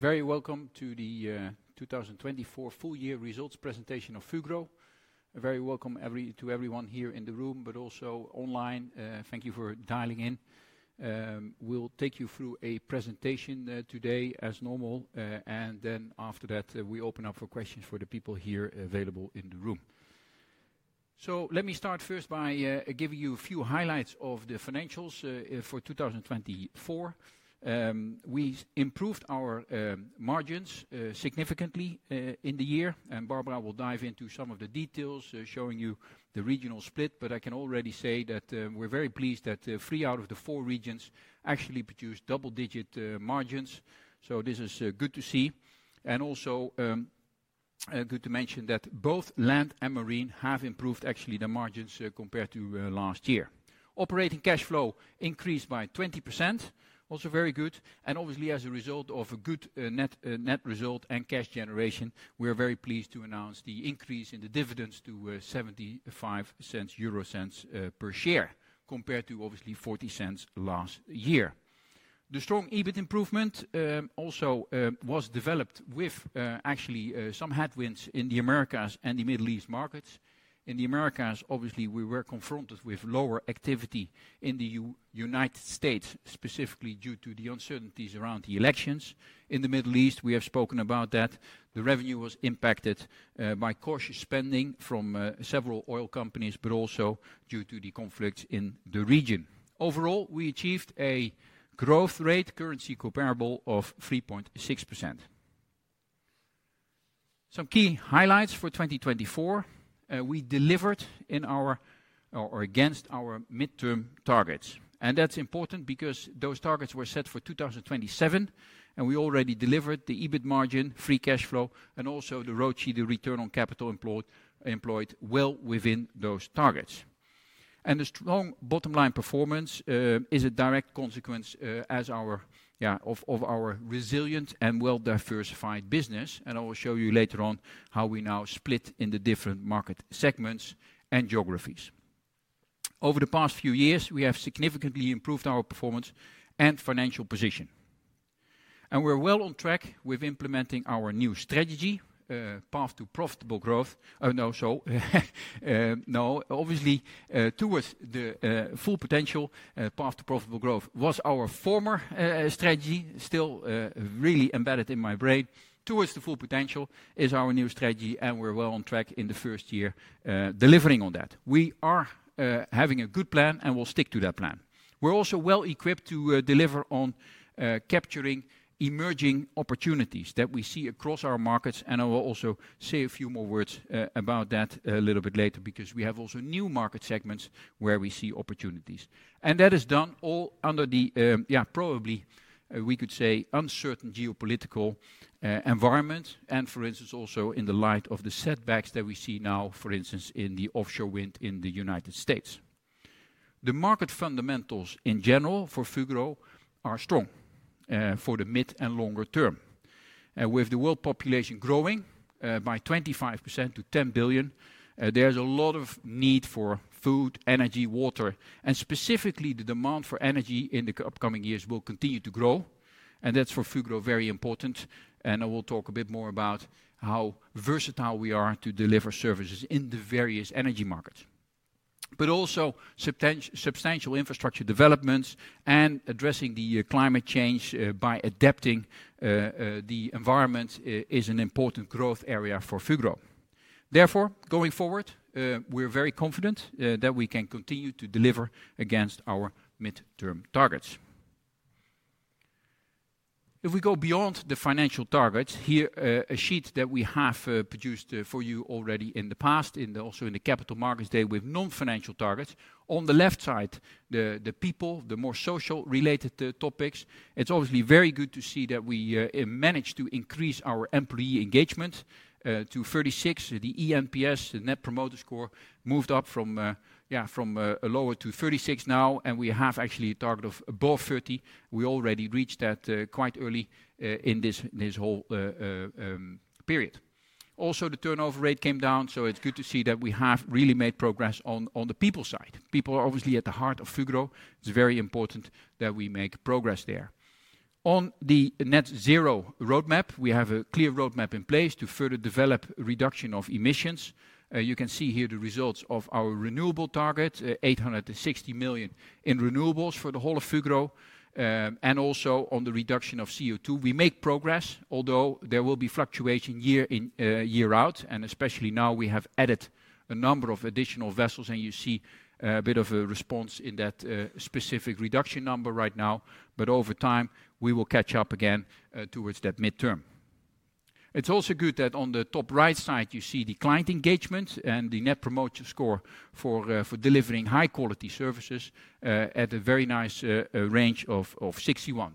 Very welcome to the 2024 full-year results presentation of Fugro. Very welcome to everyone here in the room, but also online. Thank you for dialing in. We'll take you through a presentation today as normal, and after that we open up for questions for the people here available in the room. Let me start first by giving you a few highlights of the financials for 2024. We improved our margins significantly in the year, and Barbara will dive into some of the details showing you the regional split. I can already say that we're very pleased that three out of the four regions actually produced double-digit margins. This is good to see. Also good to mention that both land and marine have improved actually the margins compared to last year. Operating cash flow increased by 20%, also very good. Obviously, as a result of a good net result and cash generation, we are very pleased to announce the increase in the dividends to 0.75 per share, compared to obviously 0.40 last year. The strong EBIT improvement also was developed with actually some headwinds in the Americas and the Middle East markets. In the Americas, obviously we were confronted with lower activity in the United States, specifically due to the uncertainties around the elections. In the Middle East, we have spoken about that. The revenue was impacted by cautious spending from several oil companies, but also due to the conflicts in the region. Overall, we achieved a growth rate, currency comparable, of 3.6%. Some key highlights for 2024. We delivered in our or against our midterm targets. That is important because those targets were set for 2027, and we already delivered the EBIT margin, free cash flow, and also the ROCE, the return on capital employed, well within those targets. The strong bottom line performance is a direct consequence of our resilient and well-diversified business. I will show you later on how we now split in the different market segments and geographies. Over the past few years, we have significantly improved our performance and financial position. We are well on track with implementing our new strategy, Path to Profitable Growth. No, so no, obviously Towards the Full Potential, Path to Profitable Growth was our former strategy, still really embedded in my brain. Towards the Full Potential is our new strategy, and we are well on track in the first year delivering on that. We are having a good plan, and we will stick to that plan. We're also well equipped to deliver on capturing emerging opportunities that we see across our markets. I will also say a few more words about that a little bit later because we have also new market segments where we see opportunities. That is done all under the, yeah, probably we could say uncertain geopolitical environment. For instance, also in the light of the setbacks that we see now, for instance, in the offshore wind in the United States. The market fundamentals in general for Fugro are strong for the mid and longer term. With the world population growing by 25% to 10 billion, there's a lot of need for food, energy, water, and specifically the demand for energy in the upcoming years will continue to grow. That's for Fugro very important. I will talk a bit more about how versatile we are to deliver services in the various energy markets. Also, substantial infrastructure developments and addressing the climate change by adapting the environment is an important growth area for Fugro. Therefore, going forward, we're very confident that we can continue to deliver against our midterm targets. If we go beyond the financial targets here, a sheet that we have produced for you already in the past, also in the Capital Markets Day with non-financial targets. On the left side, the people, the more social related topics. It's obviously very good to see that we managed to increase our employee engagement to 36. The eNPS, the Net Promoter Score, moved up from, yeah, from a lower to 36 now. We have actually a target of above 30. We already reached that quite early in this whole period. Also, the turnover rate came down. It's good to see that we have really made progress on the people side. People are obviously at the heart of Fugro. It's very important that we make progress there. On the net zero roadmap, we have a clear roadmap in place to further develop reduction of emissions. You can see here the results of our renewable target, 860 million in renewables for the whole of Fugro. Also on the reduction of CO2, we make progress, although there will be fluctuation year in, year out. Especially now we have added a number of additional vessels. You see a bit of a response in that specific reduction number right now. Over time, we will catch up again towards that midterm. It's also good that on the top right side, you see the client engagement and the Net Promoter Score for delivering high-quality services at a very nice range of 61.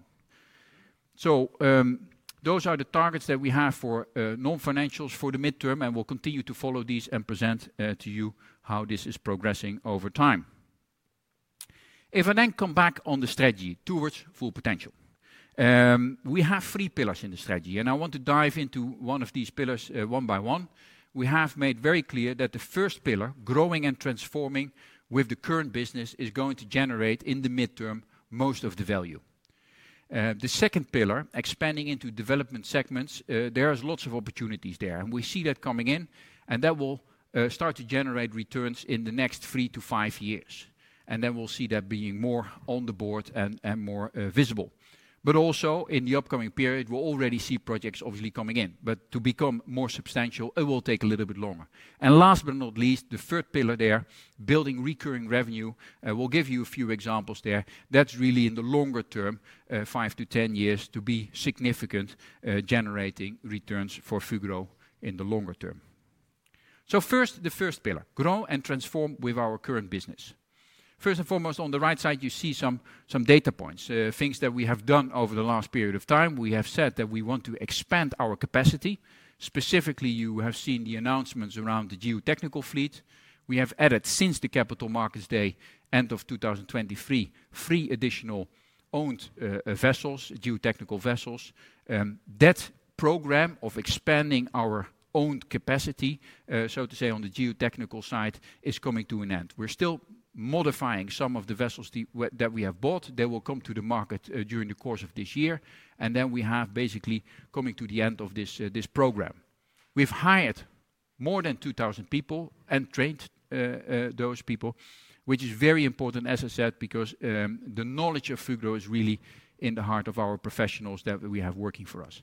Those are the targets that we have for non-financials for the midterm. We will continue to follow these and present to you how this is progressing over time. If I then come back on the strategy towards full potential, we have three pillars in the strategy. I want to dive into one of these pillars one by one. We have made very clear that the first pillar, growing and transforming with the current business, is going to generate in the midterm most of the value. The second pillar, expanding into development segments, there are lots of opportunities there. We see that coming in. That will start to generate returns in the next three to five years. We'll see that being more on the board and more visible. Also, in the upcoming period, we'll already see projects obviously coming in. To become more substantial, it will take a little bit longer. Last but not least, the third pillar there, building recurring revenue, I will give you a few examples there. That's really in the longer term, five to 10 years to be significant generating returns for Fugro in the longer term. First, the first pillar, grow and transform with our current business. First and foremost, on the right side, you see some data points, things that we have done over the last period of time. We have said that we want to expand our capacity. Specifically, you have seen the announcements around the geotechnical fleet. We have added, since the Capital Markets Day, end of 2023, three additional owned vessels, geotechnical vessels. That program of expanding our owned capacity, so to say, on the geotechnical side is coming to an end. We're still modifying some of the vessels that we have bought. They will come to the market during the course of this year. We have basically coming to the end of this program. We've hired more than 2,000 people and trained those people, which is very important, as I said, because the knowledge of Fugro is really in the heart of our professionals that we have working for us.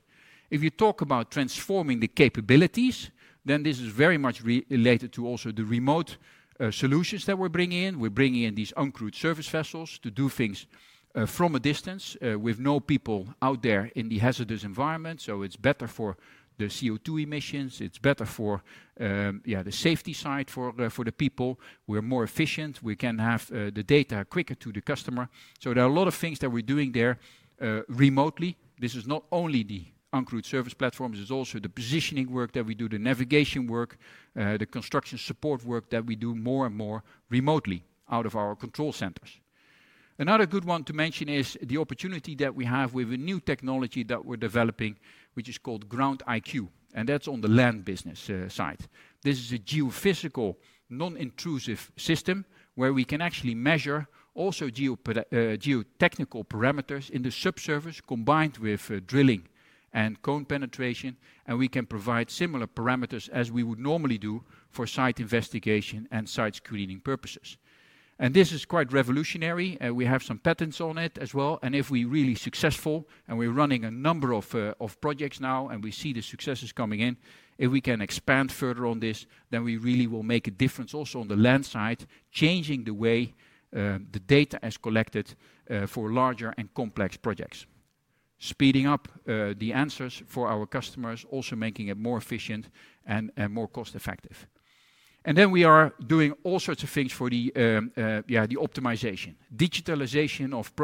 If you talk about transforming the capabilities, then this is very much related to also the remote solutions that we're bringing in. We're bringing in these uncrewed surface vessels to do things from a distance with no people out there in the hazardous environment. It is better for the CO2 emissions. It is better for, yeah, the safety side for the people. We're more efficient. We can have the data quicker to the customer. There are a lot of things that we're doing there remotely. This is not only the uncrewed surface platforms. It is also the positioning work that we do, the navigation work, the construction support work that we do more and more remotely out of our control centers. Another good one to mention is the opportunity that we have with a new technology that we're developing, which is called GroundIQ. That is on the land business side. This is a geophysical non-intrusive system where we can actually measure also geotechnical parameters in the subsurface combined with drilling and cone penetration. We can provide similar parameters as we would normally do for site investigation and site screening purposes. This is quite revolutionary. We have some patents on it as well. If we really are successful and we're running a number of projects now and we see the successes coming in, if we can expand further on this, we really will make a difference also on the land side, changing the way the data is collected for larger and complex projects, speeding up the answers for our customers, also making it more efficient and more cost-effective. We are doing all sorts of things for the, yeah, the optimization, digitalization of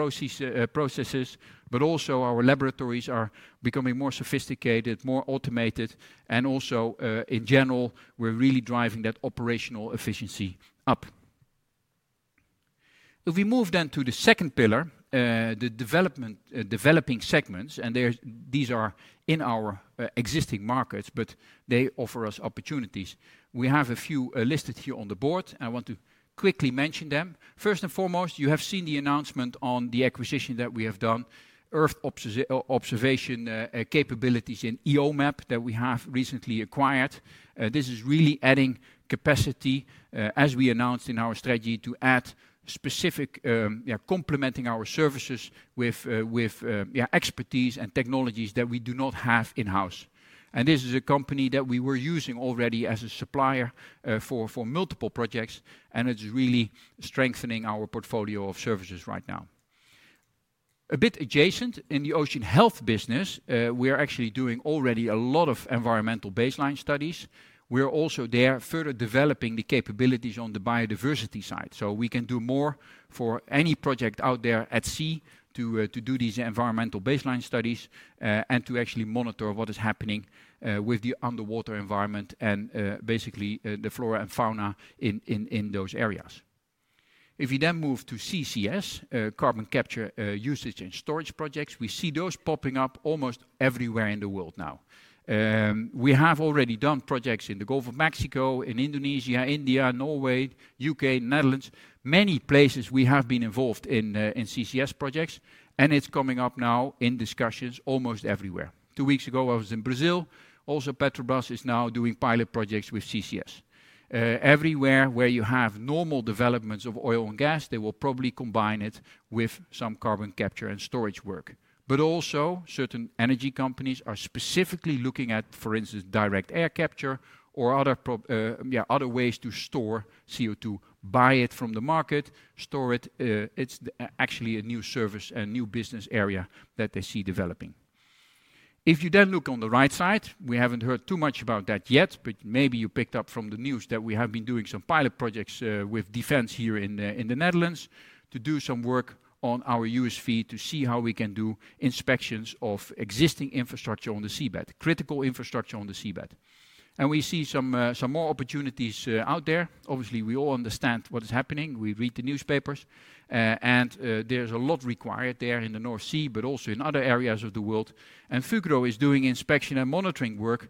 processes, but also our laboratories are becoming more sophisticated, more automated. In general, we're really driving that operational efficiency up. If we move to the second pillar, the developing segments, these are in our existing markets, but they offer us opportunities. We have a few listed here on the board. I want to quickly mention them. First and foremost, you have seen the announcement on the acquisition that we have done, earth observation capabilities in EOMAP that we have recently acquired. This is really adding capacity as we announced in our strategy to add specific, yeah, complementing our services with, yeah, expertise and technologies that we do not have in-house. This is a company that we were using already as a supplier for multiple projects. It's really strengthening our portfolio of services right now. A bit adjacent in the Ocean Health business, we are actually doing already a lot of environmental baseline studies. We are also there further developing the capabilities on the biodiversity side. We can do more for any project out there at sea to do these environmental baseline studies and to actually monitor what is happening with the underwater environment and basically the flora and fauna in those areas. If we then move to CCS, carbon capture usage and storage projects, we see those popping up almost everywhere in the world now. We have already done projects in the Gulf of Mexico, in Indonesia, India, Norway, U.K., Netherlands, many places we have been involved in CCS projects. It is coming up now in discussions almost everywhere. Two weeks ago, I was in Brazil. Also, Petrobras is now doing pilot projects with CCS. Everywhere where you have normal developments of oil and gas, they will probably combine it with some carbon capture and storage work. Also, certain energy companies are specifically looking at, for instance, direct air capture or other ways to store CO2, buy it from the market, store it. It's actually a new service and new business area that they see developing. If you then look on the right side, we haven't heard too much about that yet, but maybe you picked up from the news that we have been doing some pilot projects with defense here in the Netherlands to do some work on our USV to see how we can do inspections of existing infrastructure on the seabed, critical infrastructure on the seabed. We see some more opportunities out there. Obviously, we all understand what is happening. We read the newspapers. There is a lot required there in the North Sea, but also in other areas of the world. Fugro is doing inspection and monitoring work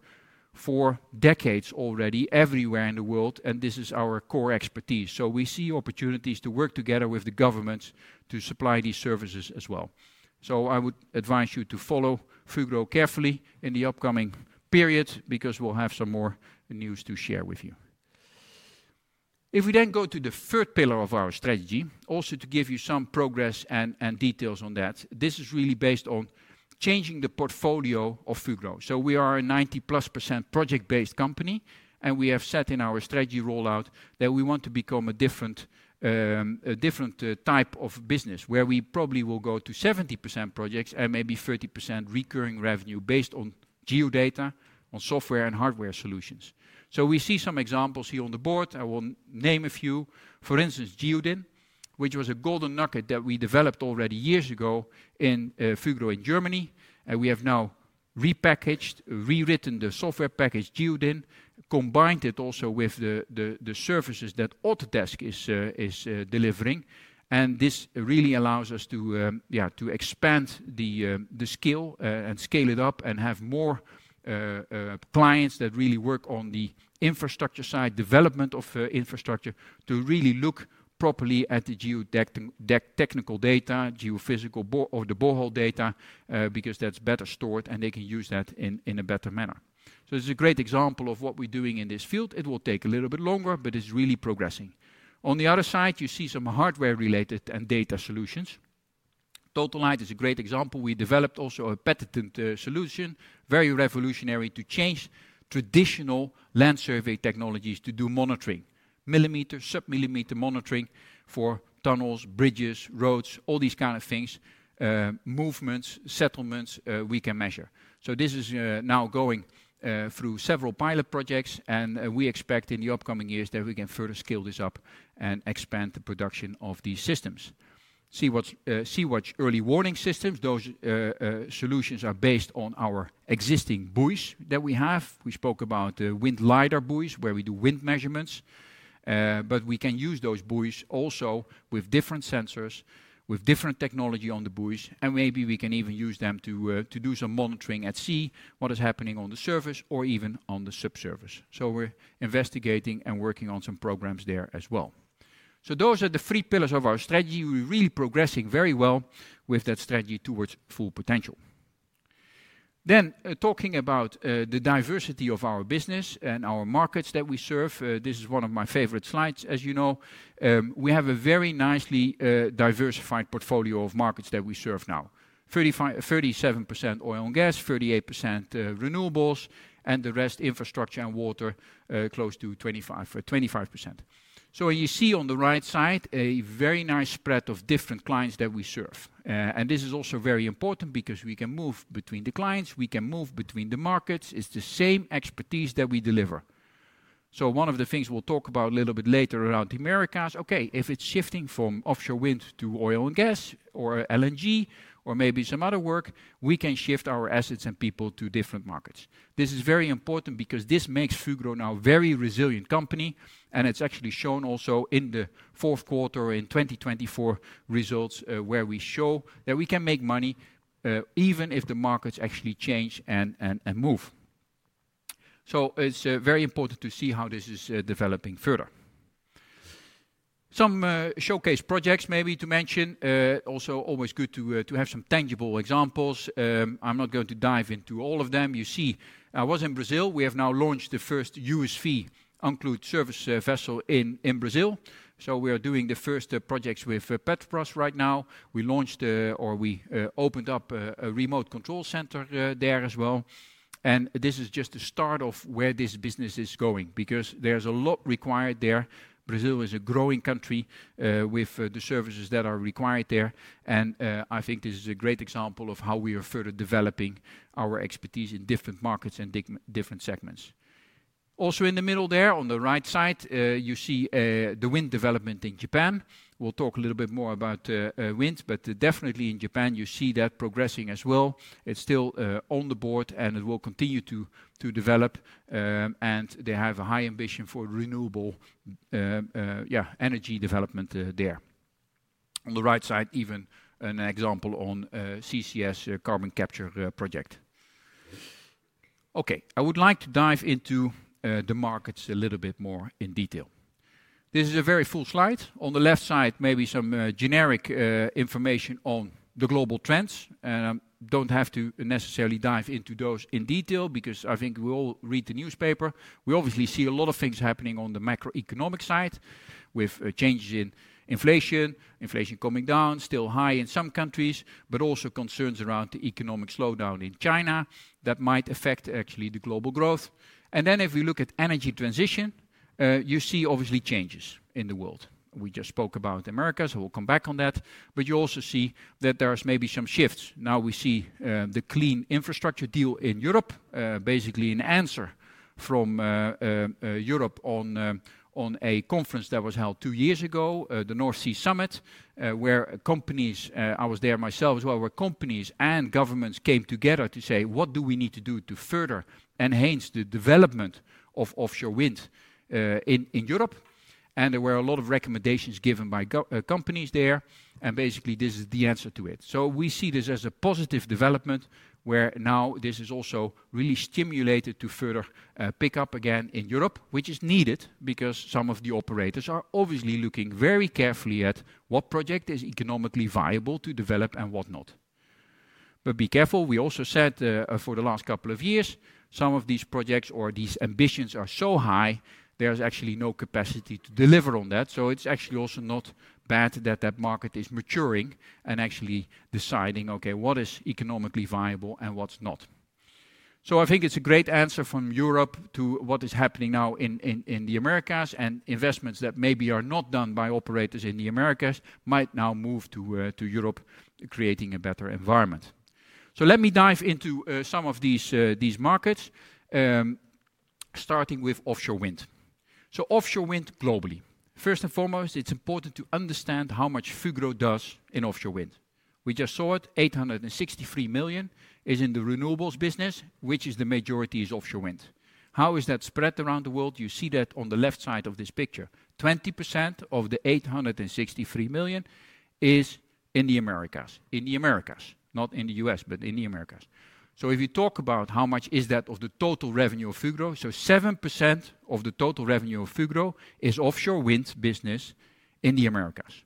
for decades already everywhere in the world. This is our core expertise. We see opportunities to work together with the governments to supply these services as well. I would advise you to follow Fugro carefully in the upcoming period because we'll have some more news to share with you. If we then go to the third pillar of our strategy, also to give you some progress and details on that, this is really based on changing the portfolio of Fugro. We are a 90%+ project-based company. We have set in our strategy rollout that we want to become a different type of business where we probably will go to 70% projects and maybe 30% recurring revenue based on Geo-data, on software and hardware solutions. We see some examples here on the board. I will name a few. For instance, GeODin, which was a golden nugget that we developed already years ago in Fugro in Germany. We have now repackaged, rewritten the software package GeoDin, combined it also with the services that Autodesk is delivering. This really allows us to, yeah, to expand the skill and scale it up and have more clients that really work on the infrastructure side, development of infrastructure to really look properly at the geotechnical data, geophysical or the borehole data because that's better stored and they can use that in a better manner. This is a great example of what we're doing in this field. It will take a little bit longer, but it's really progressing. On the other side, you see some hardware-related and data solutions. TotaLite is a great example. We developed also a patented solution, very revolutionary to change traditional land survey technologies to do monitoring, millimeter, submillimeter monitoring for tunnels, bridges, roads, all these kinds of things, movements, settlements we can measure. This is now going through several pilot projects. We expect in the upcoming years that we can further scale this up and expand the production of these systems. SEAWATCH early warning systems, those solutions are based on our existing buoys that we have. We spoke about wind LiDAR buoys where we do wind measurements. We can use those buoys also with different sensors, with different technology on the buoys. Maybe we can even use them to do some monitoring at sea, what is happening on the surface or even on the subsurface. We are investigating and working on some programs there as well. Those are the three pillars of our strategy. We're really progressing very well with that strategy towards full potential. Talking about the diversity of our business and our markets that we serve, this is one of my favorite slides, you know. We have a very nicely diversified portfolio of markets that we serve now, 37% oil and gas, 38% renewables, and the rest infrastructure and water, close to 25%. You see on the right side a very nice spread of different clients that we serve. This is also very important because we can move between the clients, we can move between the markets. It's the same expertise that we deliver. One of the things we'll talk about a little bit later around the Americas, okay, if it's shifting from offshore wind to oil and gas or LNG or maybe some other work, we can shift our assets and people to different markets. This is very important because this makes Fugro now a very resilient company. It's actually shown also in the fourth quarter in 2024 results where we show that we can make money even if the markets actually change and move. It is very important to see how this is developing further. Some showcase projects maybe to mention, also always good to have some tangible examples. I'm not going to dive into all of them. You see, I was in Brazil. We have now launched the first USV uncrewed surface vessel in Brazil. We are doing the first projects with Petrobras right now. We launched or we opened up a remote control center there as well. This is just the start of where this business is going because there's a lot required there. Brazil is a growing country with the services that are required there. I think this is a great example of how we are further developing our expertise in different markets and different segments. Also in the middle there on the right side, you see the wind development in Japan. We'll talk a little bit more about winds, but definitely in Japan, you see that progressing as well. It's still on the board and it will continue to develop. They have a high ambition for renewable, yeah, energy development there. On the right side, even an example on CCS carbon capture project. Okay, I would like to dive into the markets a little bit more in detail. This is a very full slide. On the left side, maybe some generic information on the global trends. I don't have to necessarily dive into those in detail because I think we all read the newspaper. We obviously see a lot of things happening on the macroeconomic side with changes in inflation, inflation coming down, still high in some countries, but also concerns around the economic slowdown in China that might affect actually the global growth. If we look at energy transition, you see obviously changes in the world. We just spoke about Americas, so we'll come back on that. You also see that there's maybe some shifts. Now we see the European Green Deal in Europe, basically an answer from Europe on a conference that was held two years ago, the North Sea Summit, where companies, I was there myself as well, where companies and governments came together to say, what do we need to do to further enhance the development of offshore wind in Europe? There were a lot of recommendations given by companies there. Basically, this is the answer to it. We see this as a positive development where now this is also really stimulated to further pick up again in Europe, which is needed because some of the operators are obviously looking very carefully at what project is economically viable to develop and whatnot. Be careful, we also said for the last couple of years, some of these projects or these ambitions are so high, there is actually no capacity to deliver on that. It is actually also not bad that that market is maturing and actually deciding, okay, what is economically viable and what is not. I think it is a great answer from Europe to what is happening now in the Americas, and investments that maybe are not done by operators in the Americas might now move to Europe, creating a better environment. Let me dive into some of these markets, starting with offshore wind. Offshore wind globally. First and foremost, it's important to understand how much Fugro does in offshore wind. We just saw it, 863 million is in the renewables business, which is the majority is offshore wind. How is that spread around the world? You see that on the left side of this picture. 20% of the 863 million is in the Americas, in the Americas, not in the U.S., but in the Americas. If you talk about how much is that of the total revenue of Fugro, 7% of the total revenue of Fugro is offshore wind business in the Americas.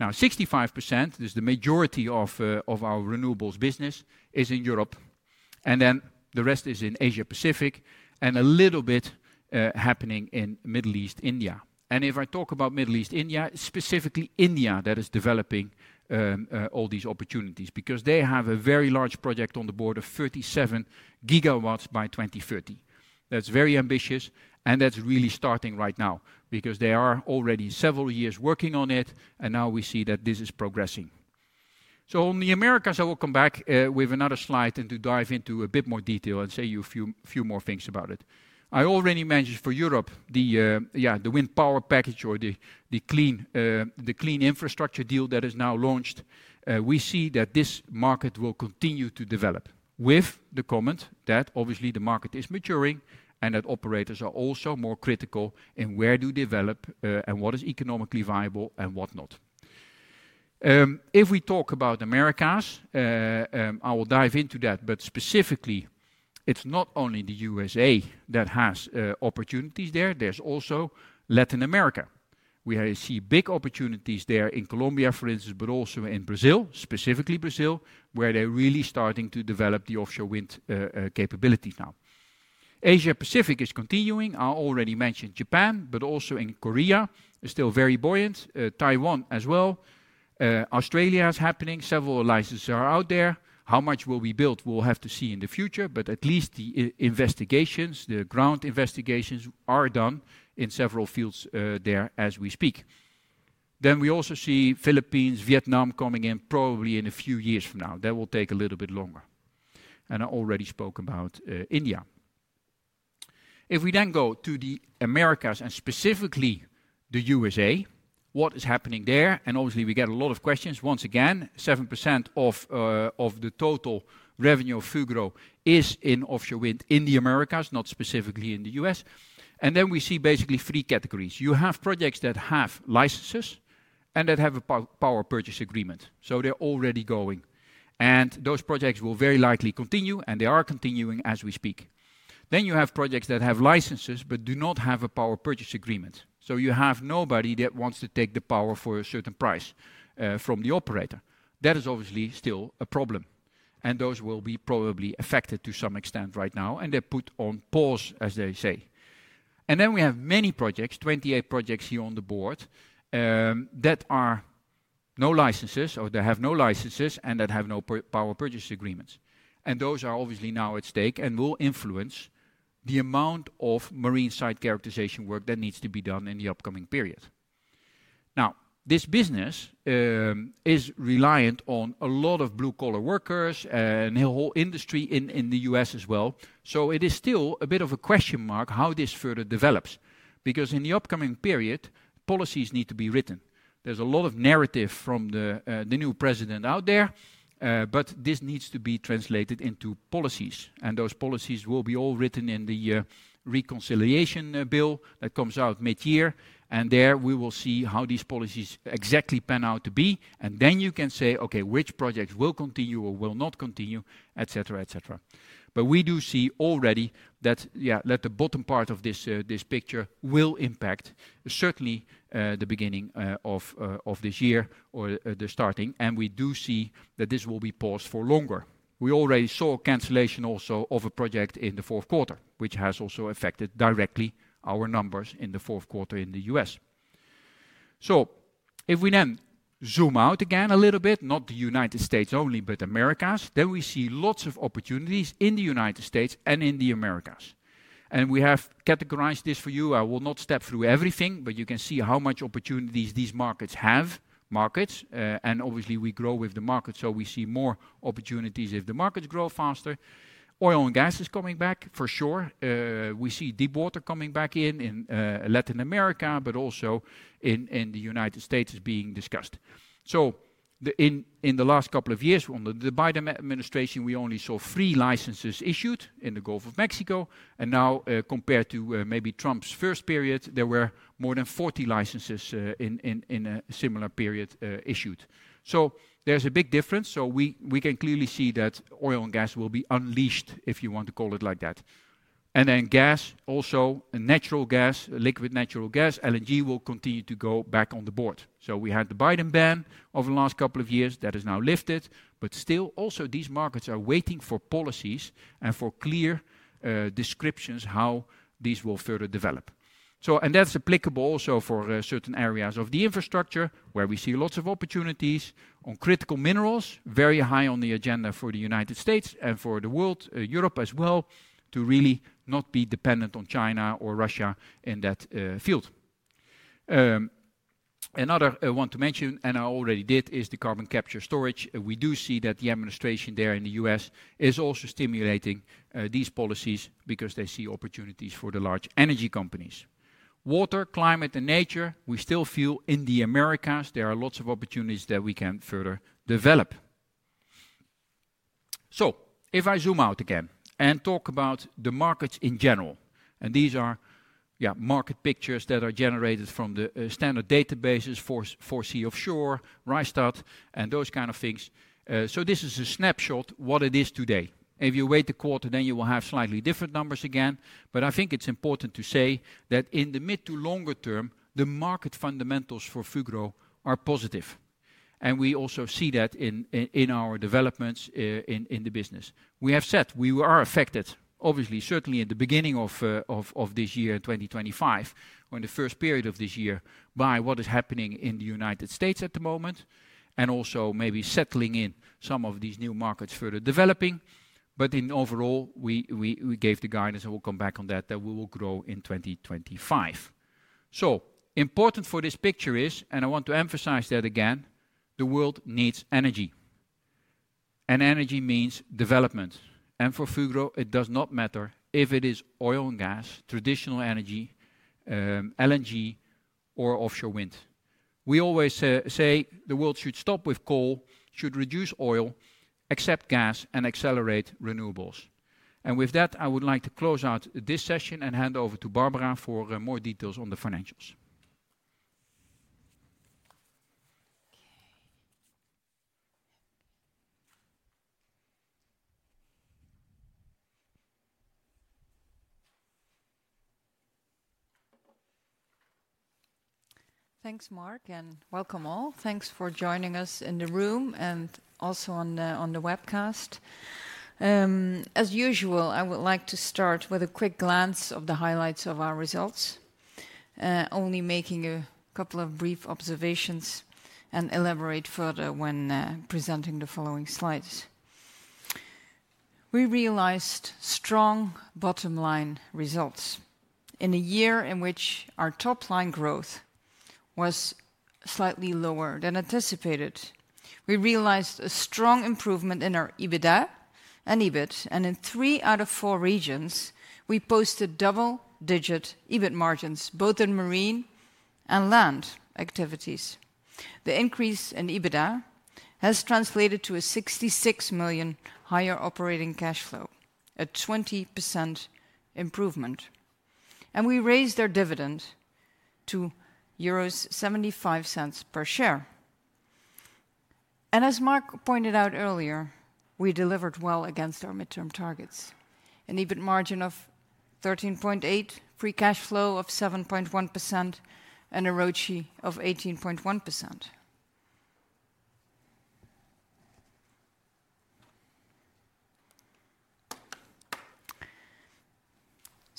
Now 65%, this is the majority of our renewables business, is in Europe. The rest is in Asia-Pacific and a little bit happening in Middle East, India. If I talk about Middle East, India, specifically India that is developing all these opportunities because they have a very large project on the board of 37 GW by 2030. That is very ambitious. That is really starting right now because they are already several years working on it. Now we see that this is progressing. In the Americas, I will come back with another slide to dive into a bit more detail and say a few more things about it. I already mentioned for Europe, the Wind Power Package or the European Green Deal that is now launched. We see that this market will continue to develop with the comment that obviously the market is maturing and that operators are also more critical in where you develop and what is economically viable and whatnot. If we talk about Americas, I will dive into that, but specifically, it's not only the U.S.A. that has opportunities there. There's also Latin America. We see big opportunities there in Colombia, for instance, but also in Brazil, specifically Brazil, where they're really starting to develop the offshore wind capabilities now. Asia-Pacific is continuing. I already mentioned Japan, but also Korea is still very buoyant, Taiwan as well. Australia is happening. Several licenses are out there. How much will we build? We'll have to see in the future, but at least the investigations, the ground investigations are done in several fields there as we speak. We also see Philippines, Vietnam coming in probably in a few years from now. That will take a little bit longer. I already spoke about India. If we then go to the Americas and specifically the U.S.A., what is happening there? Obviously, we get a lot of questions. Once again, 7% of the total revenue of Fugro is in offshore wind in the Americas, not specifically in the U.S. We see basically three categories. You have projects that have licenses and that have a power purchase agreement, so they are already going. Those projects will very likely continue, and they are continuing as we speak. You have projects that have licenses but do not have a power purchase agreement, so you have nobody that wants to take the power for a certain price from the operator. That is obviously still a problem, and those will be probably affected to some extent right now. They are put on pause, as they say. We have many projects, 28 projects here on the board that are no licenses or they have no licenses and that have no power purchase agreements. Those are obviously now at stake and will influence the amount of marine site characterization work that needs to be done in the upcoming period. This business is reliant on a lot of blue-collar workers and a whole industry in the U.S. as well. It is still a bit of a question mark how this further develops because in the upcoming period, policies need to be written. There is a lot of narrative from the new president out there, but this needs to be translated into policies. Those policies will be all written in the reconciliation bill that comes out mid-year. There we will see how these policies exactly pan out to be. You can say, okay, which projects will continue or will not continue, et cetera, et cetera. We do see already that the bottom part of this picture will impact certainly the beginning of this year or the starting. We do see that this will be paused for longer. We already saw cancellation also of a project in the fourth quarter, which has also affected directly our numbers in the fourth quarter in the U.S. If we then zoom out again a little bit, not the United States only, but Americas, we see lots of opportunities in the United States and in the Americas. We have categorized this for you. I will not step through everything, but you can see how much opportunities these markets have, markets. Obviously, we grow with the markets. We see more opportunities if the markets grow faster. Oil and gas is coming back for sure. We see deep water coming back in Latin America, but also in the United States is being discussed. In the last couple of years under the Biden administration, we only saw three licenses issued in the Gulf of Mexico. Now compared to maybe Trump's first period, there were more than 40 licenses in a similar period issued. There is a big difference. We can clearly see that oil and gas will be unleashed, if you want to call it like that. Gas also, natural gas, liquid natural gas, LNG will continue to go back on the board. We had the Biden ban over the last couple of years that is now lifted, but still also these markets are waiting for policies and for clear descriptions how these will further develop. That is applicable also for certain areas of the infrastructure where we see lots of opportunities on critical minerals, very high on the agenda for the United States and for the world, Europe as well, to really not be dependent on China or Russia in that field. Another I want to mention, and I already did, is the carbon capture storage. We do see that the administration there in the U.S. is also stimulating these policies because they see opportunities for the large energy companies. Water, climate, and nature, we still feel in the Americas, there are lots of opportunities that we can further develop. If I zoom out again and talk about the markets in general, these are market pictures that are generated from the standard data-based 4C Offshore, Rystad, and those kind of things. This is a snapshot of what it is today. If you wait a quarter, then you will have slightly different numbers again. I think it's important to say that in the mid to longer term, the market fundamentals for Fugro are positive. We also see that in our developments in the business. We have said we are affected, obviously, certainly in the beginning of this year in 2025 or in the first period of this year by what is happening in the United States at the moment and also maybe settling in some of these new markets further developing. In overall, we gave the guidance and we will come back on that that we will grow in 2025. Important for this picture is, and I want to emphasize that again, the world needs energy. Energy means development. For Fugro, it does not matter if it is oil and gas, traditional energy, LNG, or offshore wind. We always say the world should stop with coal, should reduce oil, accept gas, and accelerate renewables. With that, I would like to close out this session and hand over to Barbara for more details on the financials. Thanks, Mark, and welcome all. Thanks for joining us in the room and also on the webcast. As usual, I would like to start with a quick glance of the highlights of our results, only making a couple of brief observations and elaborate further when presenting the following slides. We realized strong bottom line results in a year in which our top line growth was slightly lower than anticipated. We realized a strong improvement in our EBITDA and EBIT, and in three out of four regions, we posted double-digit EBIT margins, both in marine and land activities. The increase in EBITDA has translated to a 66 million higher operating cash flow, a 20% improvement. We raised our dividend to 0.75 per share. As Mark pointed out earlier, we delivered well against our midterm targets, an EBIT margin of 13.8%, free cash flow of 7.1%, and a ROCE of 18.1%.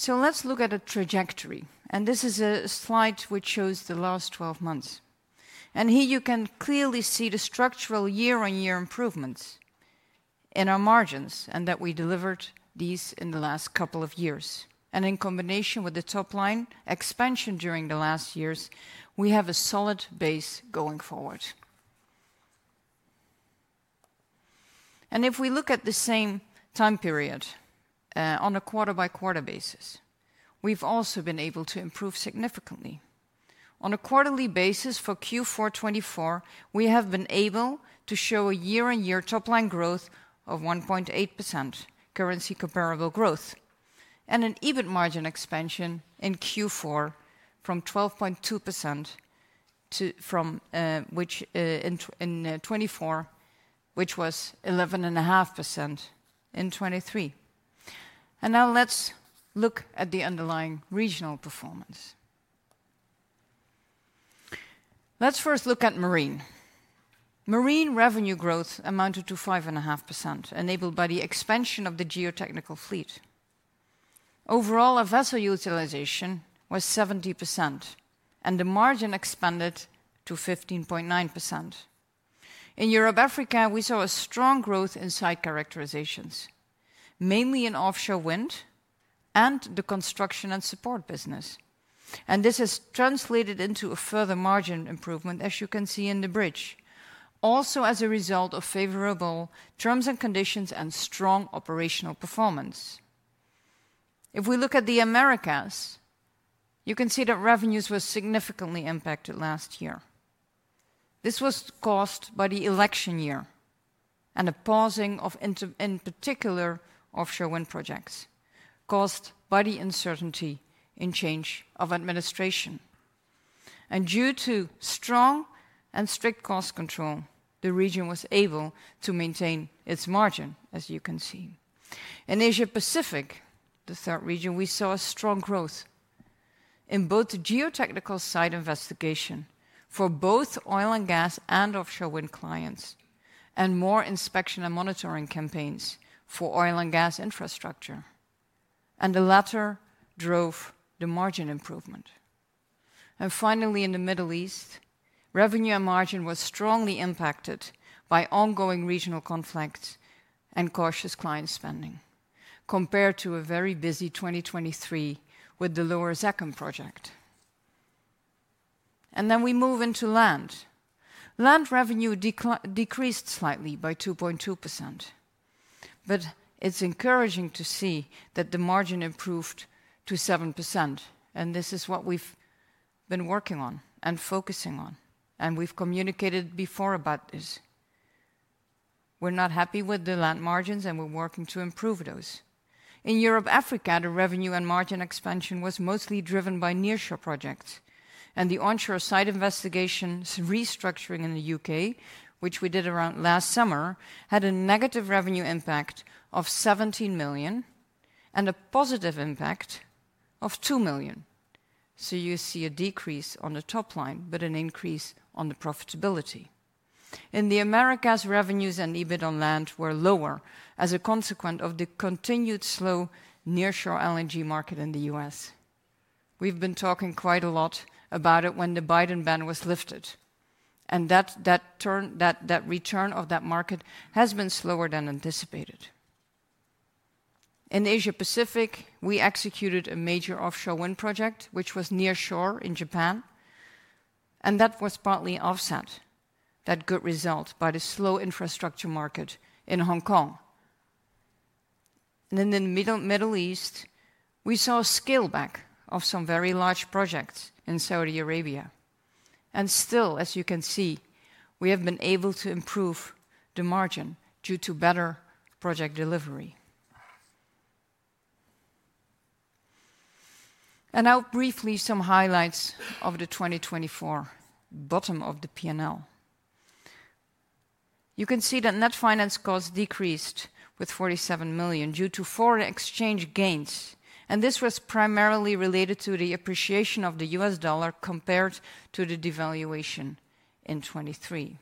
Let's look at a trajectory. This is a slide which shows the last 12 months. Here you can clearly see the structural year-on-year improvements in our margins and that we delivered these in the last couple of years. In combination with the top line expansion during the last years, we have a solid base going forward. If we look at the same time period on a quarter-by-quarter basis, we've also been able to improve significantly. On a quarterly basis for Q4 2024, we have been able to show a year-on-year top line growth of 1.8%, currency comparable growth, and an EBIT margin expansion in Q4 from 12.2% in 2024, which was 11.5% in 2023. Now let's look at the underlying regional performance. Let's first look at marine. Marine revenue growth amounted to 5.5%, enabled by the expansion of the geotechnical fleet. Overall, our vessel utilization was 70%, and the margin expanded to 15.9%. In Europe/Africa, we saw strong growth in site characterizations, mainly in offshore wind and the construction and support business. This has translated into a further margin improvement, as you can see in the bridge, also as a result of favorable terms and conditions and strong operational performance. If we look at the Americas, you can see that revenues were significantly impacted last year. This was caused by the election year and a pausing of, in particular, offshore wind projects caused by the uncertainty in change of administration. Due to strong and strict cost control, the region was able to maintain its margin, as you can see. In Asia-Pacific, the third region, we saw a strong growth in both the geotechnical site investigation for both oil and gas and offshore wind clients and more inspection and monitoring campaigns for oil and gas infrastructure. The latter drove the margin improvement. Finally, in the Middle East, revenue and margin were strongly impacted by ongoing regional conflicts and cautious client spending compared to a very busy 2023 with the Lower Zakum project. We move into land. Land revenue decreased slightly by 2.2%, but it is encouraging to see that the margin improved to 7%. This is what we have been working on and focusing on. We have communicated before about this. We are not happy with the land margins, and we are working to improve those. In Europe/Africa, the revenue and margin expansion was mostly driven by nearshore projects. The onshore site investigation restructuring in the U.K., which we did around last summer, had a negative revenue impact of 17 million and a positive impact of 2 million. You see a decrease on the top line, but an increase on the profitability. In the Americas, revenues and EBIT on land were lower as a consequence of the continued slow nearshore LNG market in the U.S. We've been talking quite a lot about it when the Biden ban was lifted. That return of that market has been slower than anticipated. In Asia-Pacific, we executed a major offshore wind project, which was nearshore in Japan. That was partly offset, that good result, by the slow infrastructure market in Hong Kong. In the Middle East, we saw a scale back of some very large projects in Saudi Arabia. Still, as you can see, we have been able to improve the margin due to better project delivery. Now briefly, some highlights of the 2024 bottom of the P&L. You can see that net finance cost decreased by 47 million due to foreign exchange gains. This was primarily related to the appreciation of the US dollar compared to the devaluation in 2023.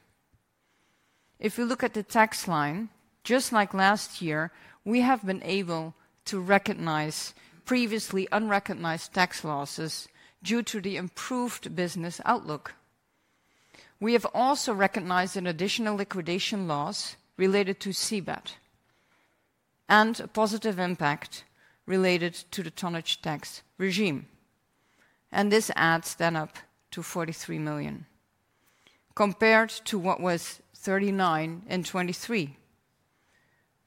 If we look at the tax line, just like last year, we have been able to recognize previously unrecognized tax losses due to the improved business outlook. We have also recognized an additional liquidation loss related to Seabed and a positive impact related to the tonnage tax regime. This adds up to 43 million compared to what was 39 million in 2023,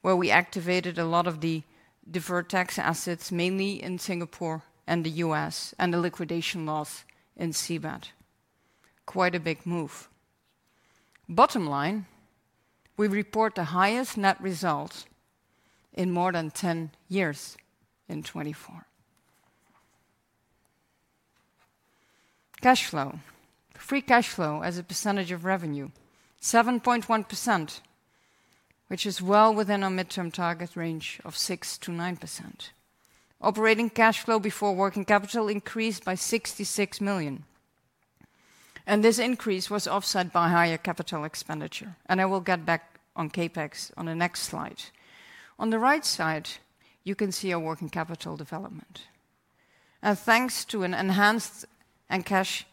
where we activated a lot of the deferred tax assets, mainly in Singapore and the U.S., and the liquidation loss in Seabed. Quite a big move. Bottom line, we report the highest net result in more than 10 years in 2024. Cash flow, free cash flow as a percentage of revenue, 7.1%, which is well within our midterm target range of 6%-9%. Operating cash flow before working capital increased by 66 million. This increase was offset by higher CapEx. I will get back on CapEx on the next slide. On the right side, you can see our working capital development. Thanks to an enhanced cash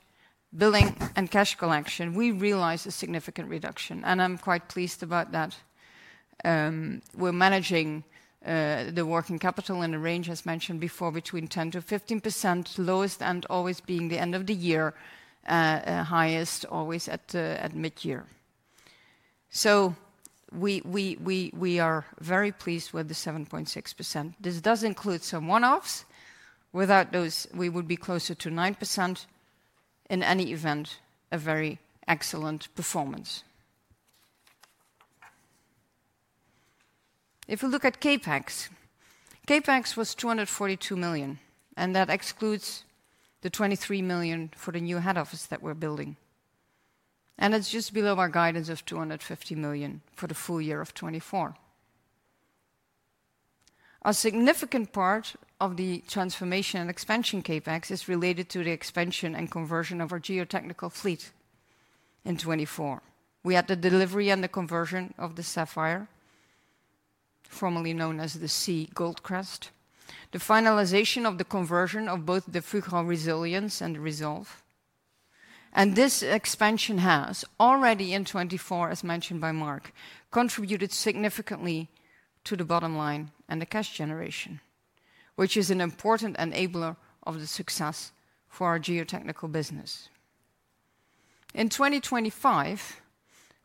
billing and cash collection, we realized a significant reduction. I am quite pleased about that. We are managing the working capital in the range, as mentioned before, between 10%-15%, lowest always being the end of the year, highest always at mid-year. We are very pleased with the 7.6%. This does include some one-offs. Without those, we would be closer to 9%. In any event, a very excellent performance. If we look at CapEx, CapEx was 242 million, and that excludes the 23 million for the new head office that we're building. It is just below our guidance of 250 million for the full year of 2024. A significant part of the transformation and expansion CapEx is related to the expansion and conversion of our geotechnical fleet in 2024. We had the delivery and the conversion of the Sapphire, formerly known as the Sea Goldcrest, the finalization of the conversion of both the Fugro Resilience and Resolve. This expansion has already in 2024, as mentioned by Mark, contributed significantly to the bottom line and the cash generation, which is an important enabler of the success for our geotechnical business. In 2025,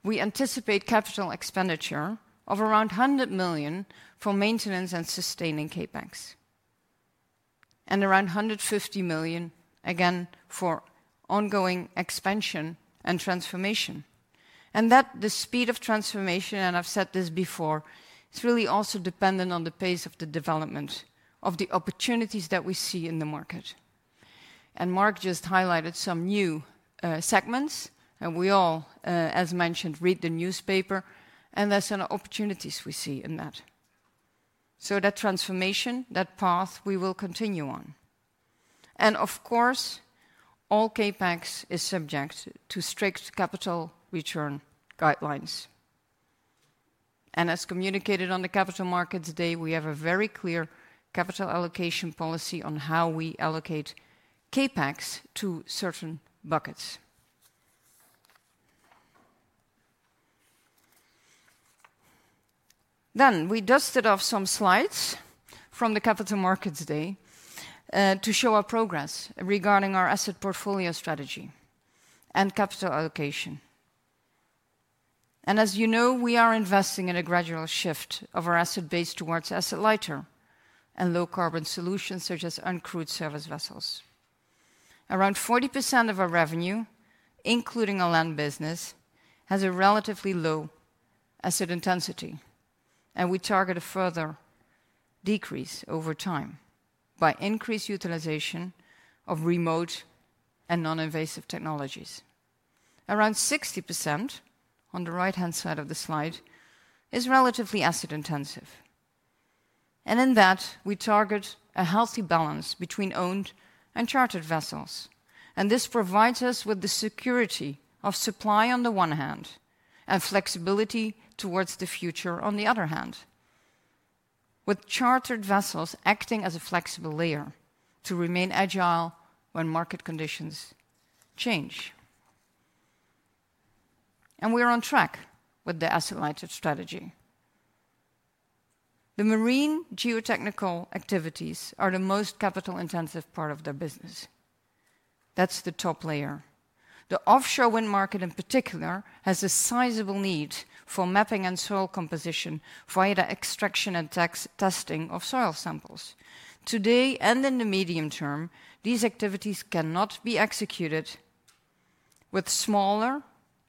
we anticipate capital expenditure of around 100 million for maintenance and sustaining CapEx and around 150 million, again, for ongoing expansion and transformation. The speed of transformation, and I've said this before, is really also dependent on the pace of the development of the opportunities that we see in the market. Mark just highlighted some new segments. We all, as mentioned, read the newspaper, and there's an opportunity we see in that. That transformation, that path, we will continue on. Of course, all CapEx is subject to strict capital return guidelines. As communicated on the Capital Markets Day, we have a very clear capital allocation policy on how we allocate CapEx to certain buckets. We dusted off some slides from the Capital Markets Day to show our progress regarding our asset portfolio strategy and capital allocation. As you know, we are investing in a gradual shift of our asset base towards asset-light and low-carbon solutions such as uncrewed surface vessels. Around 40% of our revenue, including our land business, has a relatively low asset intensity. We target a further decrease over time by increased utilization of remote and non-invasive technologies. Around 60% on the right-hand side of the slide is relatively asset intensive. In that, we target a healthy balance between owned and chartered vessels. This provides us with the security of supply on the one hand and flexibility towards the future on the other hand, with chartered vessels acting as a flexible layer to remain agile when market conditions change. We are on track with the asset-light strategy. The marine geotechnical activities are the most capital-intensive part of our business. That is the top layer. The offshore wind market, in particular, has a sizable need for mapping and soil composition via the extraction and testing of soil samples. Today and in the medium term, these activities cannot be executed with smaller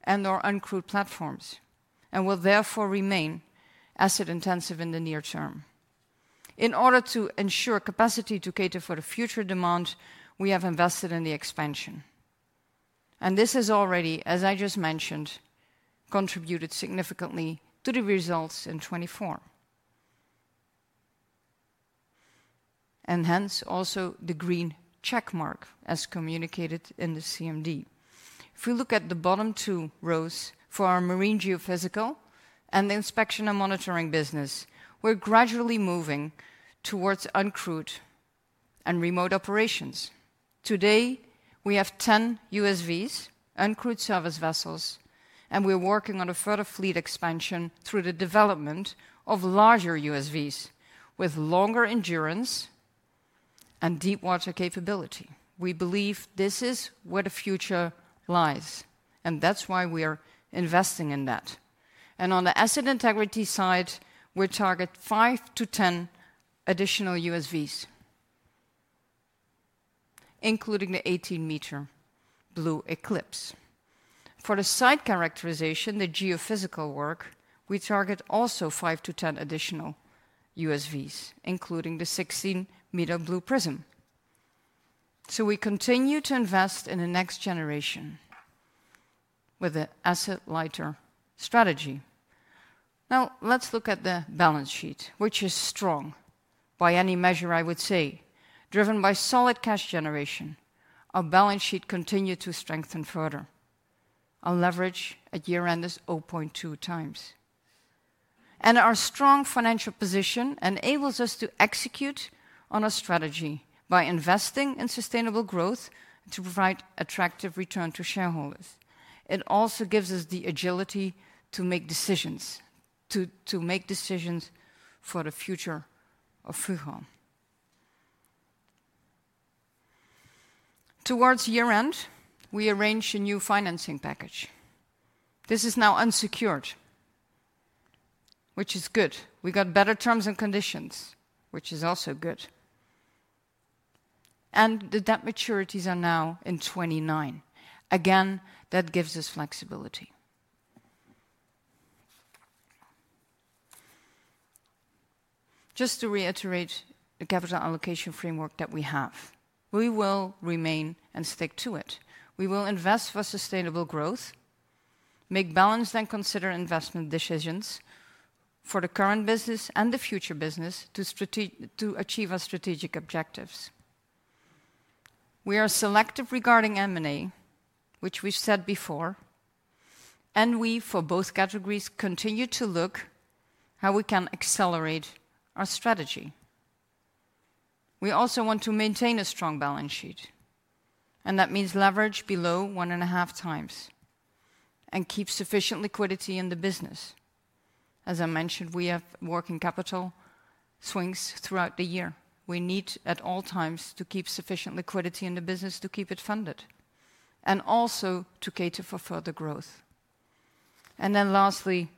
and/or uncrewed platforms and will therefore remain asset-intensive in the near term. In order to ensure capacity to cater for the future demand, we have invested in the expansion. This has already, as I just mentioned, contributed significantly to the results in 2024. Hence also the green checkmark as communicated in the CMD. If we look at the bottom two rows for our marine geophysical and the inspection and monitoring business, we're gradually moving towards uncrewed and remote operations. Today, we have 10 USVs, uncrewed surface vessels, and we're working on a further fleet expansion through the development of larger USVs with longer endurance and deep water capability. We believe this is where the future lies. That is why we are investing in that. On the asset integrity side, we target 5-10 additional USVs, including the 18-meter Blue Eclipse. For the site characterization, the geophysical work, we target also 5-10 additional USVs, including the 16-meter Blue Prism. We continue to invest in the next generation with the asset-light strategy. Now, let's look at the balance sheet, which is strong by any measure, I would say, driven by solid cash generation. Our balance sheet continued to strengthen further. Our leverage at year-end is 0.2 times. Our strong financial position enables us to execute on our strategy by investing in sustainable growth to provide attractive return to shareholders. It also gives us the agility to make decisions for the future of Fugro. Towards year-end, we arranged a new financing package. This is now unsecured, which is good. We got better terms and conditions, which is also good. The debt maturities are now in 2029. Again, that gives us flexibility. Just to reiterate the capital allocation framework that we have, we will remain and stick to it. We will invest for sustainable growth, make balanced and considered investment decisions for the current business and the future business to achieve our strategic objectives. We are selective regarding M&A, which we've said before. For both categories, we continue to look at how we can accelerate our strategy. We also want to maintain a strong balance sheet. That means leverage below one and a half times and keep sufficient liquidity in the business. As I mentioned, we have working capital swings throughout the year. We need at all times to keep sufficient liquidity in the business to keep it funded and also to cater for further growth. Lastly,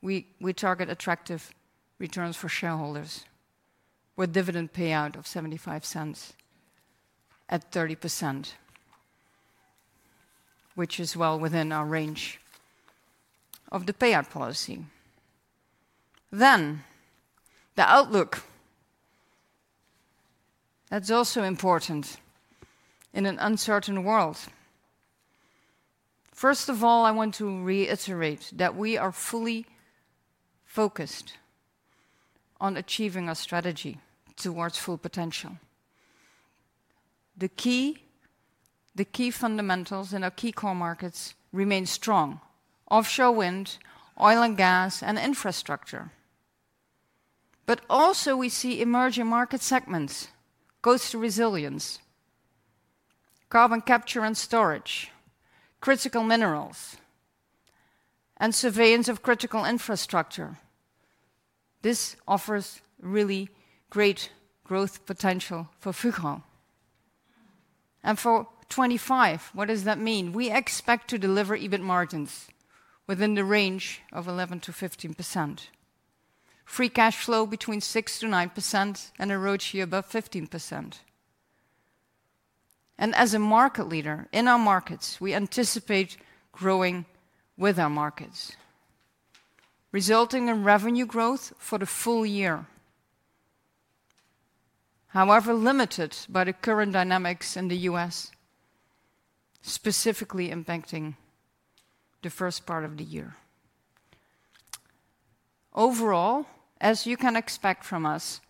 we target attractive returns for shareholders with dividend payout of 0.75 at 30%, which is well within our range of the payout policy. The outlook, that's also important in an uncertain world. First of all, I want to reiterate that we are fully focused on achieving our strategy towards full potential. The key fundamentals in our key core markets remain strong: offshore wind, oil and gas, and infrastructure. We also see emerging market segments, coastal resilience, carbon capture and storage, critical minerals, and surveillance of critical infrastructure. This offers really great growth potential for Fugro. For 2025, what does that mean? We expect to deliver EBIT margins within the range of 11%-15%, free cash flow between 6%-9%, and a ROCE above 15%. As a market leader in our markets, we anticipate growing with our markets, resulting in revenue growth for the full year, however limited by the current dynamics in the U.S., specifically impacting the first part of the year. Overall, as you can expect from us,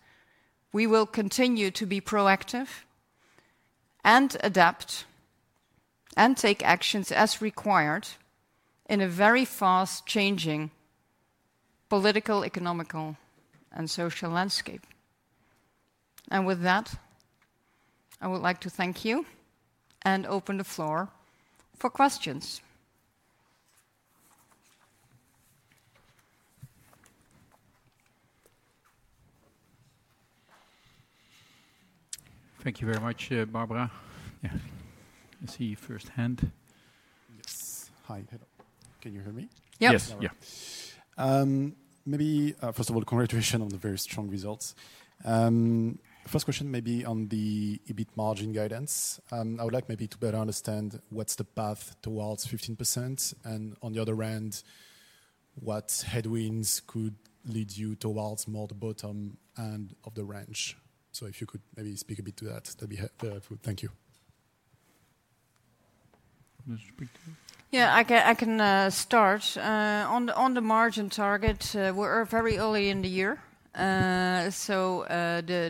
we will continue to be proactive and adapt and take actions as required in a very fast-changing political, economical, and social landscape. With that, I would like to thank you and open the floor for questions. Thank you very much, Barbara. Yeah, I see you firsthand. Yes. Hi. Can you hear me? Yes. Yeah. Maybe first of all, congratulations on the very strong results. First question maybe on the EBIT margin guidance. I would like maybe to better understand what's the path towards 15% and on the other end, what headwinds could lead you towards more the bottom end of the range. If you could maybe speak a bit to that, that'd be helpful. Thank you. Yeah, I can start. On the margin target, we're very early in the year.